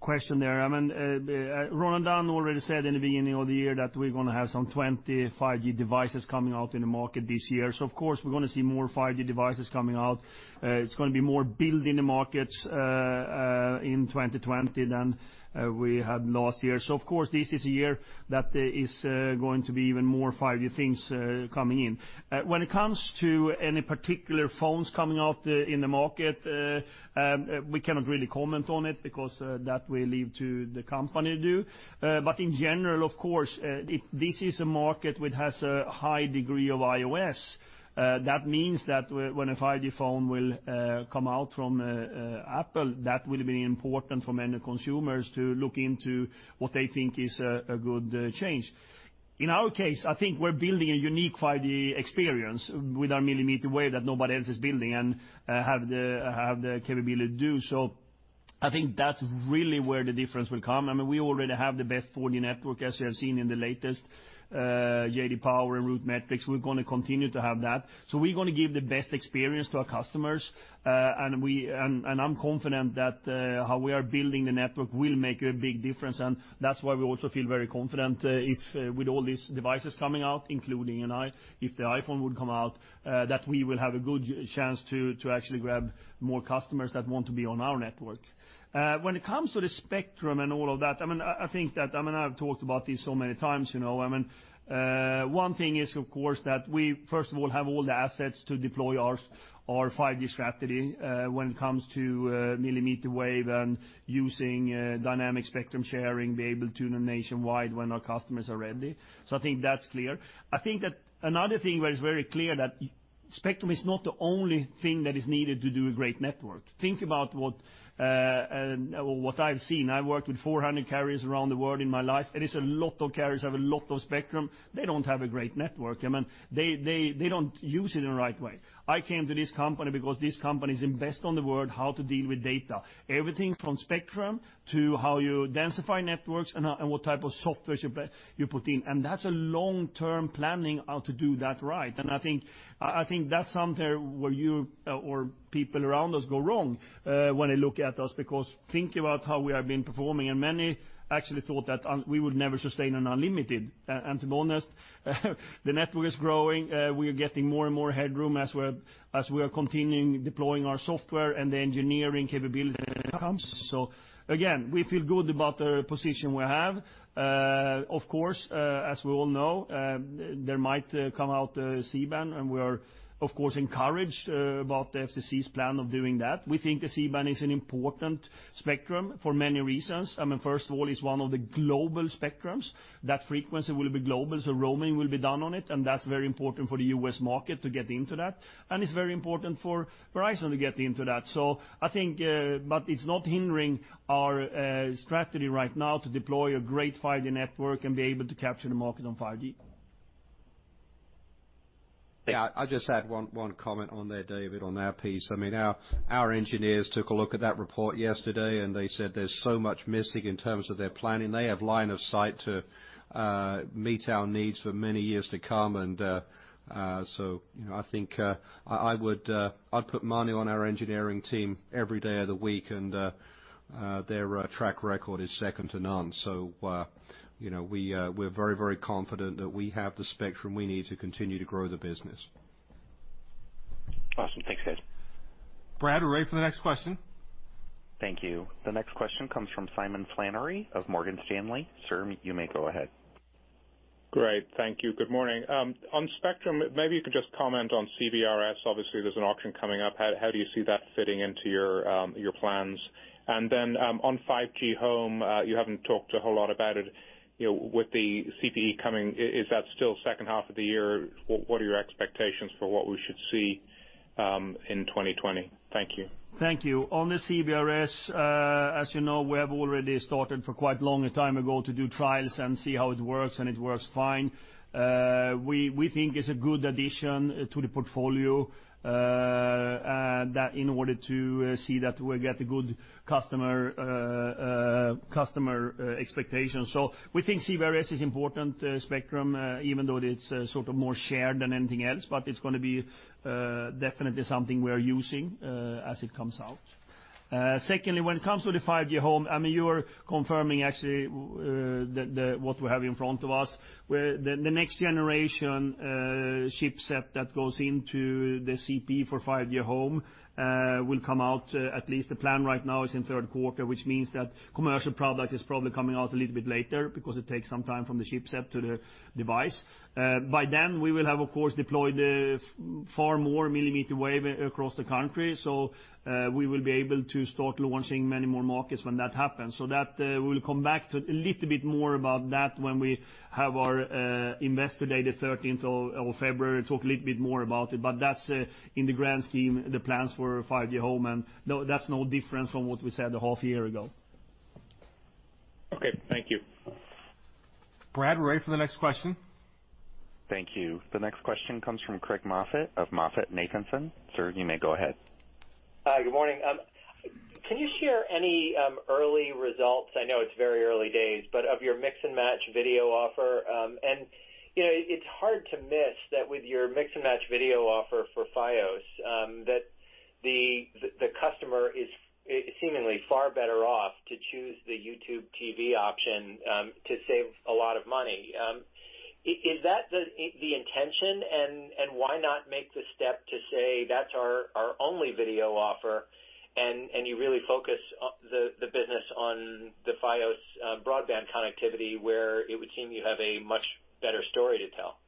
question there, Ronan Dunne already said in the beginning of the year that we're going to have some 20 5G devices coming out in the market this year. Of course, we're going to see more 5G devices coming out. It's going to be more build in the markets in 2020 than we had last year. Of course, this is a year that is going to be even more 5G things coming in. When it comes to any particular phones coming out in the market, we cannot really comment on it because that we leave to the company to do. In general, of course, this is a market which has a high degree of iOS. That means that when a 5G phone will come out from Apple, that will be important for many consumers to look into what they think is a good change. In our case, I think we're building a unique 5G experience with our millimeter wave that nobody else is building and have the capability to do so. I think that's really where the difference will come. We already have the best 4G network, as you have seen in the latest J.D. Power and RootMetrics. We're going to continue to have that. We're going to give the best experience to our customers, and I'm confident that how we are building the network will make a big difference. That's why we also feel very confident with all these devices coming out, including if the iPhone would come out, that we will have a good chance to actually grab more customers that want to be on our network. When it comes to the spectrum and all of that, I've talked about this so many times. One thing is, of course, that we, first of all, have all the assets to deploy our 5G strategy when it comes to millimeter wave and using dynamic spectrum sharing, be able to nationwide when our customers are ready. I think that's clear. I think that another thing that is very clear is that spectrum is not the only thing that is needed to do a great network. Think about what I've seen. I've worked with 400 carriers around the world in my life, and there's a lot of carriers who have a lot of spectrum. They don't have a great network. They don't use it in the right way. I came to this company because this company is the best in the world at how to deal with data. Everything from spectrum to how you densify networks and what type of software you put in. That's a long-term planning how to do that right. I think that's something where you or people around us go wrong when they look at us, because think about how we have been performing. Many actually thought that we would never sustain an Unlimited. To be honest, the network is growing. We are getting more and more headroom as we are continuing deploying our software and the engineering capability comes. Again, we feel good about the position we have. Of course, as we all know, there might come out C-band, and we are, of course, encouraged about the FCC's plan of doing that. We think the C-band is an important spectrum for many reasons. First of all, it's one of the global spectrums. That frequency will be global, so roaming will be done on it, and that's very important for the U.S. market to get into that. It's very important for Verizon to get into that. It's not hindering our strategy right now to deploy a great 5G network and be able to capture the market on 5G. Yeah. I just had one comment on there, David, on that piece. Our engineers took a look at that report yesterday, and they said there's so much missing in terms of their planning. They have line of sight to meet our needs for many years to come. I think I'd put money on our engineering team every day of the week, and their track record is second to none. We're very confident that we have the spectrum we need to continue to grow the business. Awesome. Thanks, Hans. Brad, we're ready for the next question. Thank you. The next question comes from Simon Flannery of Morgan Stanley. Sir, you may go ahead. Great. Thank you. Good morning. On spectrum, maybe you could just comment on CBRS. Obviously, there's an auction coming up. How do you see that fitting into your plans? On 5G Home, you haven't talked a whole lot about it. With the CPE coming, is that still second half of the year? What are your expectations for what we should see in 2020? Thank you. Thank you. On the CBRS, as you know, we have already started for quite a long time ago to do trials and see how it works, and it works fine. We think it's a good addition to the portfolio in order to see that we get good customer expectations. We think CBRS is important spectrum, even though it's more shared than anything else, but it's going to be definitely something we're using as it comes out. Secondly, when it comes to the 5G Home, you're confirming actually what we have in front of us. The next generation chipset that goes into the CPE for 5G Home will come out, at least the plan right now is in the third quarter, which means that commercial product is probably coming out a little bit later because it takes some time from the chipset to the device. By then, we will have, of course, deployed far more millimeter wave across the country. We will be able to start launching many more markets when that happens. We will come back to a little bit more about that when we have our investor day, the 13th of February, talk a little bit more about it. That's in the grand scheme, the plans for 5G Home, and that's no different from what we said a half year ago. Okay. Thank you. Brad, we're ready for the next question. Thank you. The next question comes from Craig Moffett of MoffettNathanson. Sir, you may go ahead. Hi. Good morning. Can you share any early results? I know it's very early days, but of your Mix and Match video offer. It's hard to miss that with your Mix and Match video offer for Fios, that the customer is seemingly far better off to choose the YouTube TV option to save a lot of money. Is that the intention? Why not make the step to say, "That's our only video offer," and you really focus the business on the Fios broadband connectivity, where it would seem you have a much better story to tell?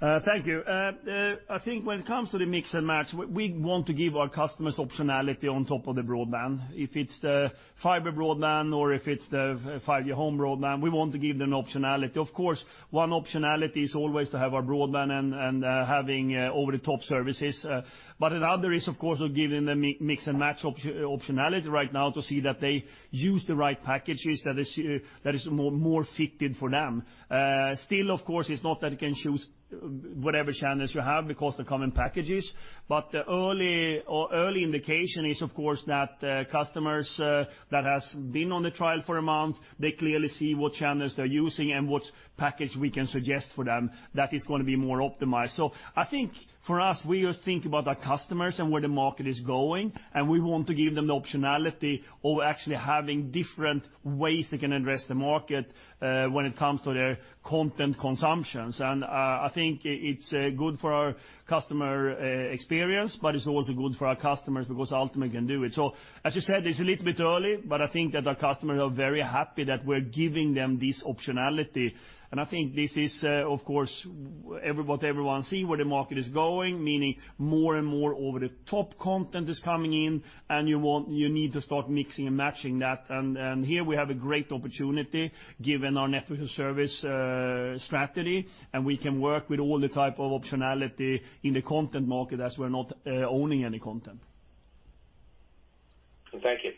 Thank you. I think when it comes to the Mix and Match, we want to give our customers optionality on top of the broadband. If it's the fiber broadband or if it's the 5G Home broadband, we want to give them optionality. Of course, one optionality is always to have our broadband and having over-the-top services. Another is, of course, we're giving them Mix and Match optionality right now to see that they use the right packages that is more fitted for them. Still, of course, it's not that you can choose whatever channels you have because they come in packages. The early indication is, of course, that customers that have been on the trial for a month, they clearly see what channels they're using and what package we can suggest for them that is going to be more optimized. I think for us, we think about our customers and where the market is going, and we want to give them the optionality of actually having different ways they can address the market when it comes to their content consumptions. I think it's good for our customer experience, but it's also good for our customers because ultimately they can do it. As you said, it's a little bit early, but I think that our customers are very happy that we're giving them this optionality. I think this is, of course, what everyone sees where the market is going, meaning more and more over-the-top content is coming in and you need to start mixing and matching that. Here we have a great opportunity given our network service strategy, and we can work with all the type of optionality in the content market as we're not owning any content. Thank you.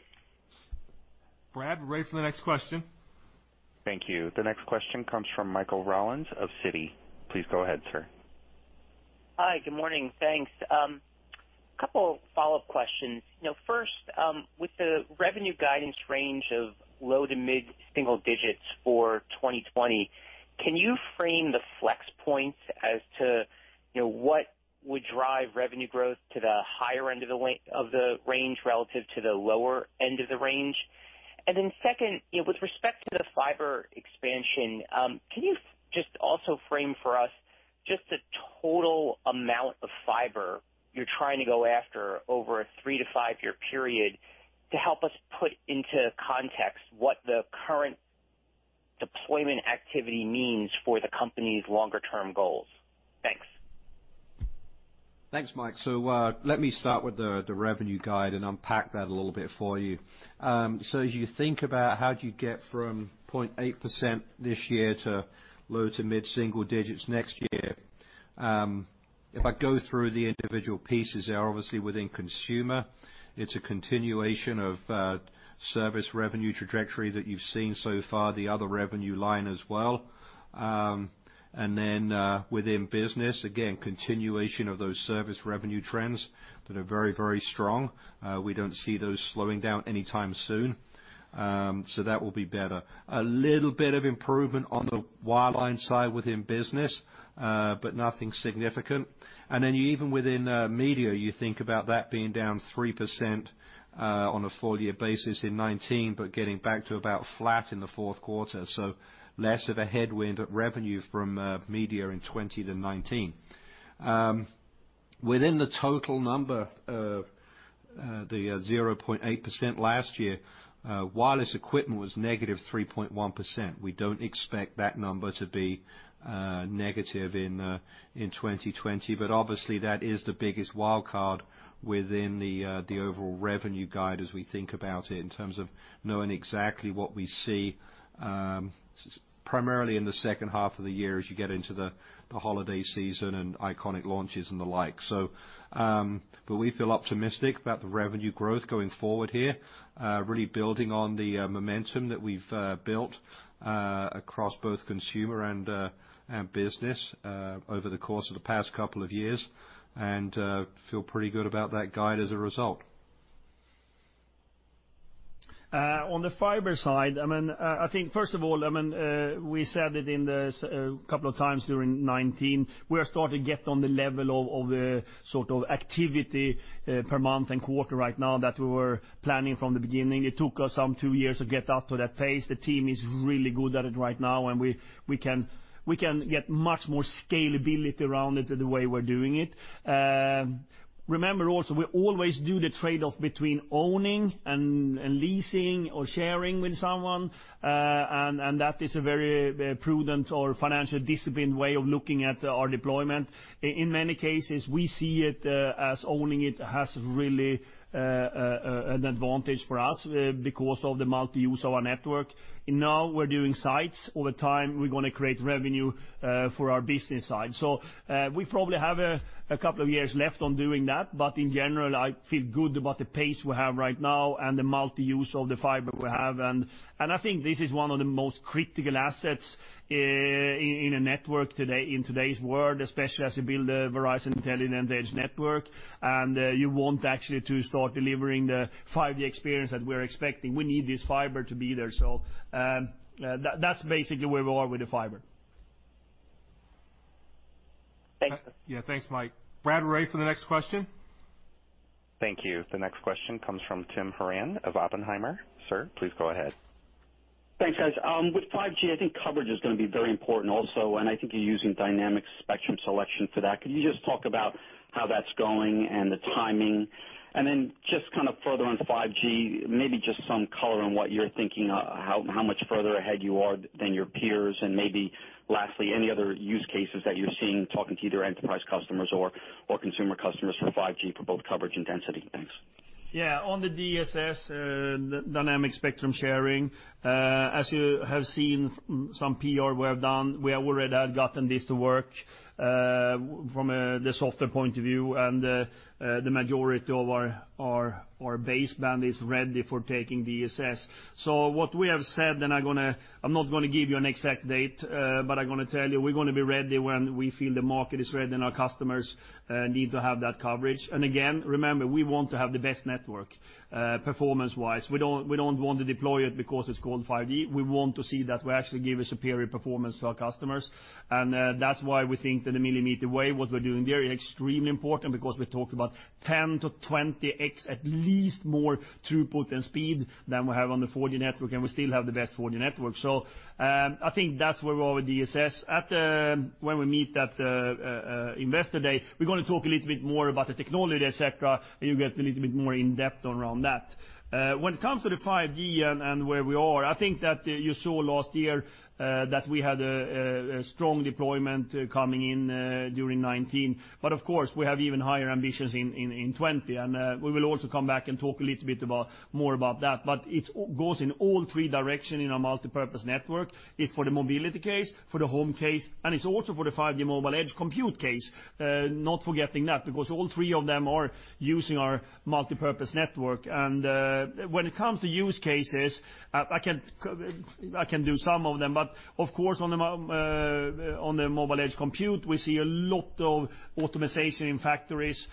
Brad, we're ready for the next question. Thank you. The next question comes from Michael Rollins of Citi. Please go ahead, sir. Hi, good morning. Thanks. A couple follow-up questions. First, with the revenue guidance range of low to mid-single digits for 2020, can you frame the flex points as to what would drive revenue growth to the higher end of the range relative to the lower end of the range? Second, with respect to the fiber expansion, can you just also frame for us just the total amount of fiber you're trying to go after over a three to five-year period to help us put into context what the current deployment activity means for the company's longer-term goals? Thanks. Thanks, Mike. Let me start with the revenue guide and unpack that a little bit for you. As you think about how do you get from 0.8% this year to low to mid-single digits next year, if I go through the individual pieces there, obviously within Consumer, it's a continuation of service revenue trajectory that you've seen so far, the other revenue line as well. Within Business, again, continuation of those service revenue trends that are very, very strong. We don't see those slowing down anytime soon. That will be better. A little bit of improvement on the wireline side within Business, but nothing significant. Even within Media, you think about that being down 3% on a full-year basis in 2019, but getting back to about flat in the fourth quarter. Less of a headwind at revenue from media in 2020 than 2019. Within the total number of the 0.8% last year, wireless equipment was -3.1%. We don't expect that number to be negative in 2020. Obviously, that is the biggest wildcard within the overall revenue guide as we think about it in terms of knowing exactly what we see, primarily in the second half of the year as you get into the holiday season and iconic launches and the like. We feel optimistic about the revenue growth going forward here, really building on the momentum that we've built across both consumer and business over the course of the past couple of years and feel pretty good about that guide as a result. On the fiber side, I think first of all, we said it a couple of times during 2019, we are starting to get on the level of activity per month and quarter right now that we were planning from the beginning. It took us some two years to get up to that pace. The team is really good at it right now, and we can get much more scalability around it the way we're doing it. Remember also, we always do the trade-off between owning and leasing or sharing with someone. That is a very prudent or financially disciplined way of looking at our deployment. In many cases, we see it as owning it has really an advantage for us because of the multi-use of our network. Now we're doing sites. Over time, we're going to create revenue for our business side. We probably have a couple of years left on doing that. In general, I feel good about the pace we have right now and the multi-use of the fiber we have. I think this is one of the most critical assets in a network in today's world, especially as you build a Verizon Intelligent Edge Network. You want actually to start delivering the 5G experience that we're expecting. We need this fiber to be there. That's basically where we are with the fiber. Thank you. Yeah. Thanks, Mike. Brad, we're ready for the next question. Thank you. The next question comes from Tim Horan of Oppenheimer. Sir, please go ahead. Thanks, guys. With 5G, I think coverage is going to be very important also, and I think you're using dynamic spectrum sharing for that. Could you just talk about how that's going and the timing? Just further on 5G, maybe just some color on what you're thinking, how much further ahead you are than your peers, and maybe lastly, any other use cases that you're seeing talking to either enterprise customers or consumer customers for 5G for both coverage and density. Thanks. On the DSS, dynamic spectrum sharing, as you have seen some PR we have done, we already have gotten this to work from the software point of view and the majority of our baseband is ready for taking DSS. What we have said, and I'm not going to give you an exact date, but I'm going to tell you we're going to be ready when we feel the market is ready and our customers need to have that coverage. Again, remember, we want to have the best network, performance-wise. We don't want to deploy it because it's called 5G. We want to see that we actually give a superior performance to our customers. That's why we think that the millimeter wave, what we're doing there is extremely important because we talk about 10x to 20x at least more throughput and speed than we have on the 4G network, and we still have the best 4G network. I think that's where we are with DSS. When we meet at the Investor Day, we're going to talk a little bit more about the technology, et cetera, and you'll get a little bit more in-depth around that. When it comes to the 5G and where we are, I think that you saw last year that we had a strong deployment coming in during 2019. Of course, we have even higher ambitions in 2020. We will also come back and talk a little bit more about that. It goes in all three direction in our multipurpose network. It's for the mobility case, for the home case, and it's also for the 5G Mobile Edge Compute case. Not forgetting that, because all three of them are using our multipurpose network. When it comes to use cases, I can do some of them, but of course, on the Mobile Edge Compute, we see a lot of automation in factories.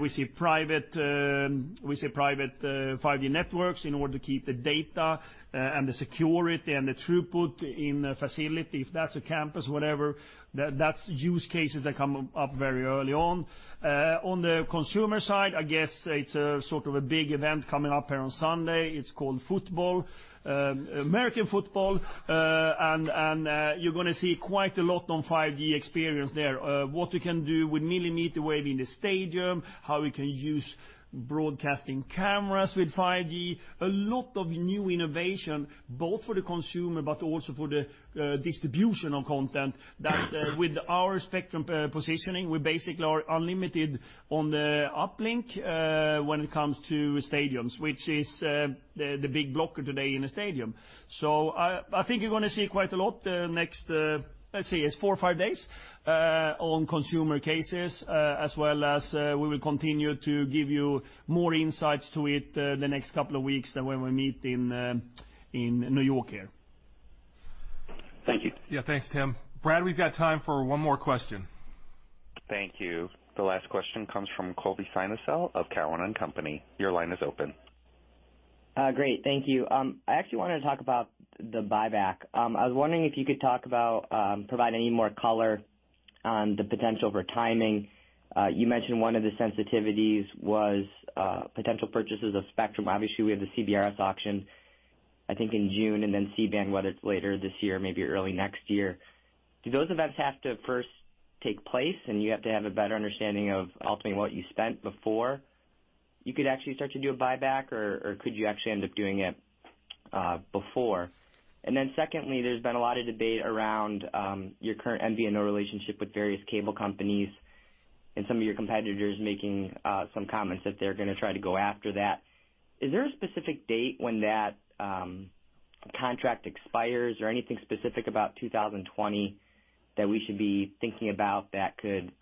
We see private 5G networks in order to keep the data and the security and the throughput in a facility. If that's a campus, whatever, that's use cases that come up very early on. On the consumer side, I guess it's a big event coming up here on Sunday. It's called football, American football, and you're going to see quite a lot on 5G experience there, what we can do with millimeter wave in the stadium, how we can use broadcasting cameras with 5G. A lot of new innovation, both for the consumer, but also for the distribution of content that with our spectrum positioning, we basically are unlimited on the uplink when it comes to stadiums, which is the big blocker today in a stadium. I think you're going to see quite a lot next, let's say it's four or five days, on consumer cases, as well as we will continue to give you more insights to it the next couple of weeks when we meet in New York here. Thank you. Yeah, thanks, Tim. Brad, we've got time for one more question. Thank you. The last question comes from Colby Synesael of Cowen and Company. Your line is open. Great. Thank you. I actually wanted to talk about the buyback. I was wondering if you could provide any more color on the potential for timing. You mentioned one of the sensitivities was potential purchases of spectrum. Obviously, we have the CBRS auction, I think in June, and then C-band, whether it's later this year, maybe early next year. Do those events have to first take place and you have to have a better understanding of ultimately what you spent before you could actually start to do a buyback, or could you actually end up doing it before? Secondly, there's been a lot of debate around your current MVNO relationship with various cable companies and some of your competitors making some comments that they're going to try to go after that. Is there a specific date when that contract expires or anything specific about 2020 that we should be thinking about that could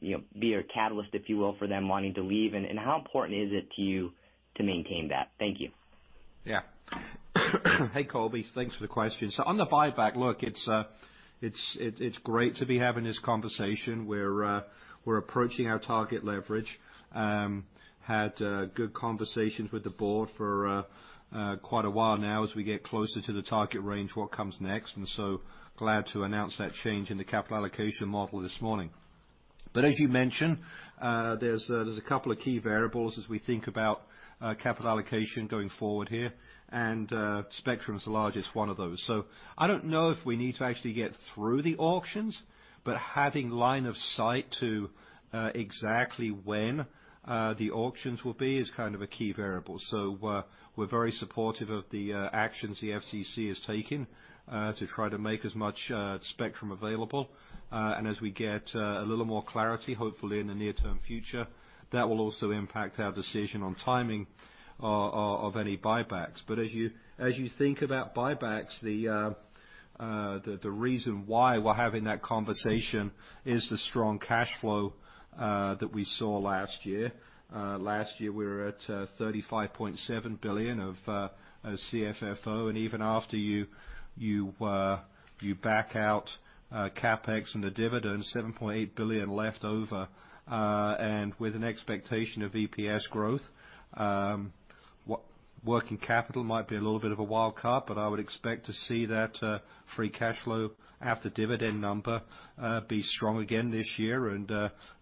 be a catalyst, if you will, for them wanting to leave? How important is it to you to maintain that? Thank you. Hey, Colby. Thanks for the question. On the buyback, look, it's great to be having this conversation. We're approaching our target leverage. Had good conversations with the board for quite a while now as we get closer to the target range, what comes next, and so glad to announce that change in the capital allocation model this morning. As you mentioned, there's a couple of key variables as we think about capital allocation going forward here, and spectrum's the largest one of those. I don't know if we need to actually get through the auctions, but having line of sight to exactly when the auctions will be is kind of a key variable. We're very supportive of the actions the FCC is taking to try to make as much spectrum available. As we get a little more clarity, hopefully in the near-term future, that will also impact our decision on timing of any buybacks. As you think about buybacks, the reason why we're having that conversation is the strong cash flow that we saw last year. Last year, we were at $35.7 billion of CFFO, and even after you back out CapEx and the dividend, $7.8 billion left over, and with an expectation of EPS growth. Working capital might be a little bit of a wild card, I would expect to see that free cash flow after dividend number be strong again this year and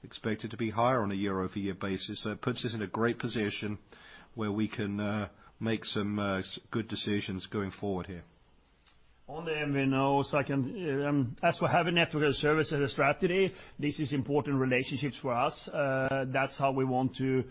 expect it to be higher on a year-over-year basis. It puts us in a great position where we can make some good decisions going forward here. On the MVNOs, as for having network as a service as a strategy, this is important relationships for us. That's how we want to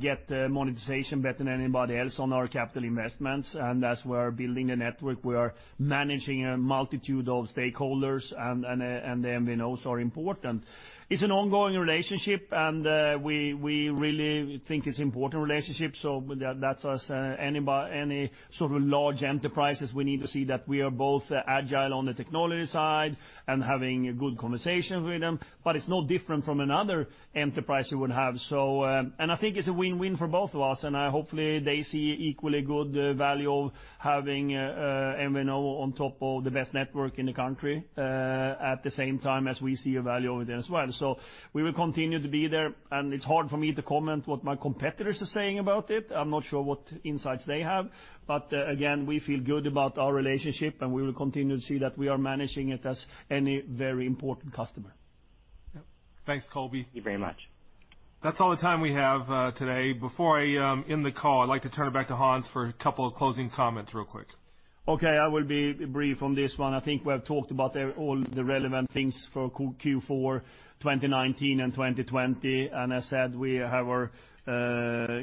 get monetization better than anybody else on our capital investments. As we're building a network, we are managing a multitude of stakeholders, and the MVNOs are important. It's an ongoing relationship, and we really think it's important relationship. That's as any sort of large enterprises, we need to see that we are both agile on the technology side and having good conversations with them, but it's no different from another enterprise you would have. I think it's a win-win for both of us, and hopefully they see equally good value of having MNO on top of the best network in the country at the same time as we see a value with it as well. We will continue to be there, and it's hard for me to comment what my competitors are saying about it. I'm not sure what insights they have. Again, we feel good about our relationship, and we will continue to see that we are managing it as any very important customer. Yep. Thanks, Colby. Thank you very much. That's all the time we have today. Before I end the call, I'd like to turn it back to Hans for a couple of closing comments real quick. Okay. I will be brief on this one. I think we have talked about all the relevant things for Q4 2019 and 2020. I said we have our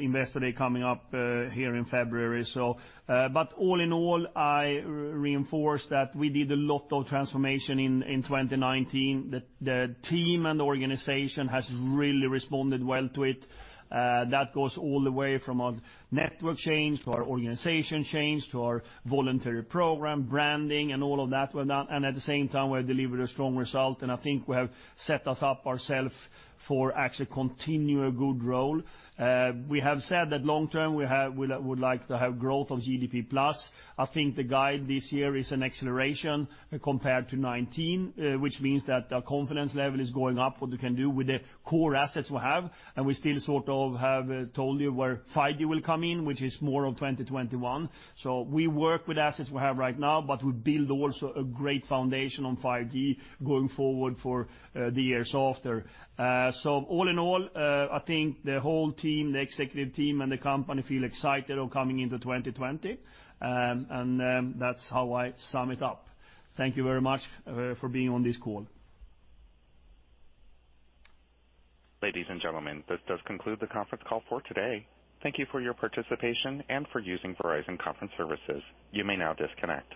investor day coming up here in February. All in all, I reinforce that we did a lot of transformation in 2019. The team and the organization has really responded well to it. That goes all the way from our network change to our organization change to our voluntary program, branding, and all of that were done. At the same time, we have delivered a strong result, and I think we have set us up ourself for actually continue a good roll. We have said that long term, we would like to have growth of GDPplus. I think the guide this year is an acceleration compared to 2019, which means that our confidence level is going up, what we can do with the core assets we have. We still sort of have told you where 5G will come in, which is more of 2021. We work with assets we have right now, but we build also a great foundation on 5G going forward for the years after. All in all, I think the whole team, the executive team, and the company feel excited of coming into 2020. That's how I sum it up. Thank you very much for being on this call. Ladies and gentlemen, this does conclude the conference call for today. Thank you for your participation and for using Verizon Conference Services. You may now disconnect.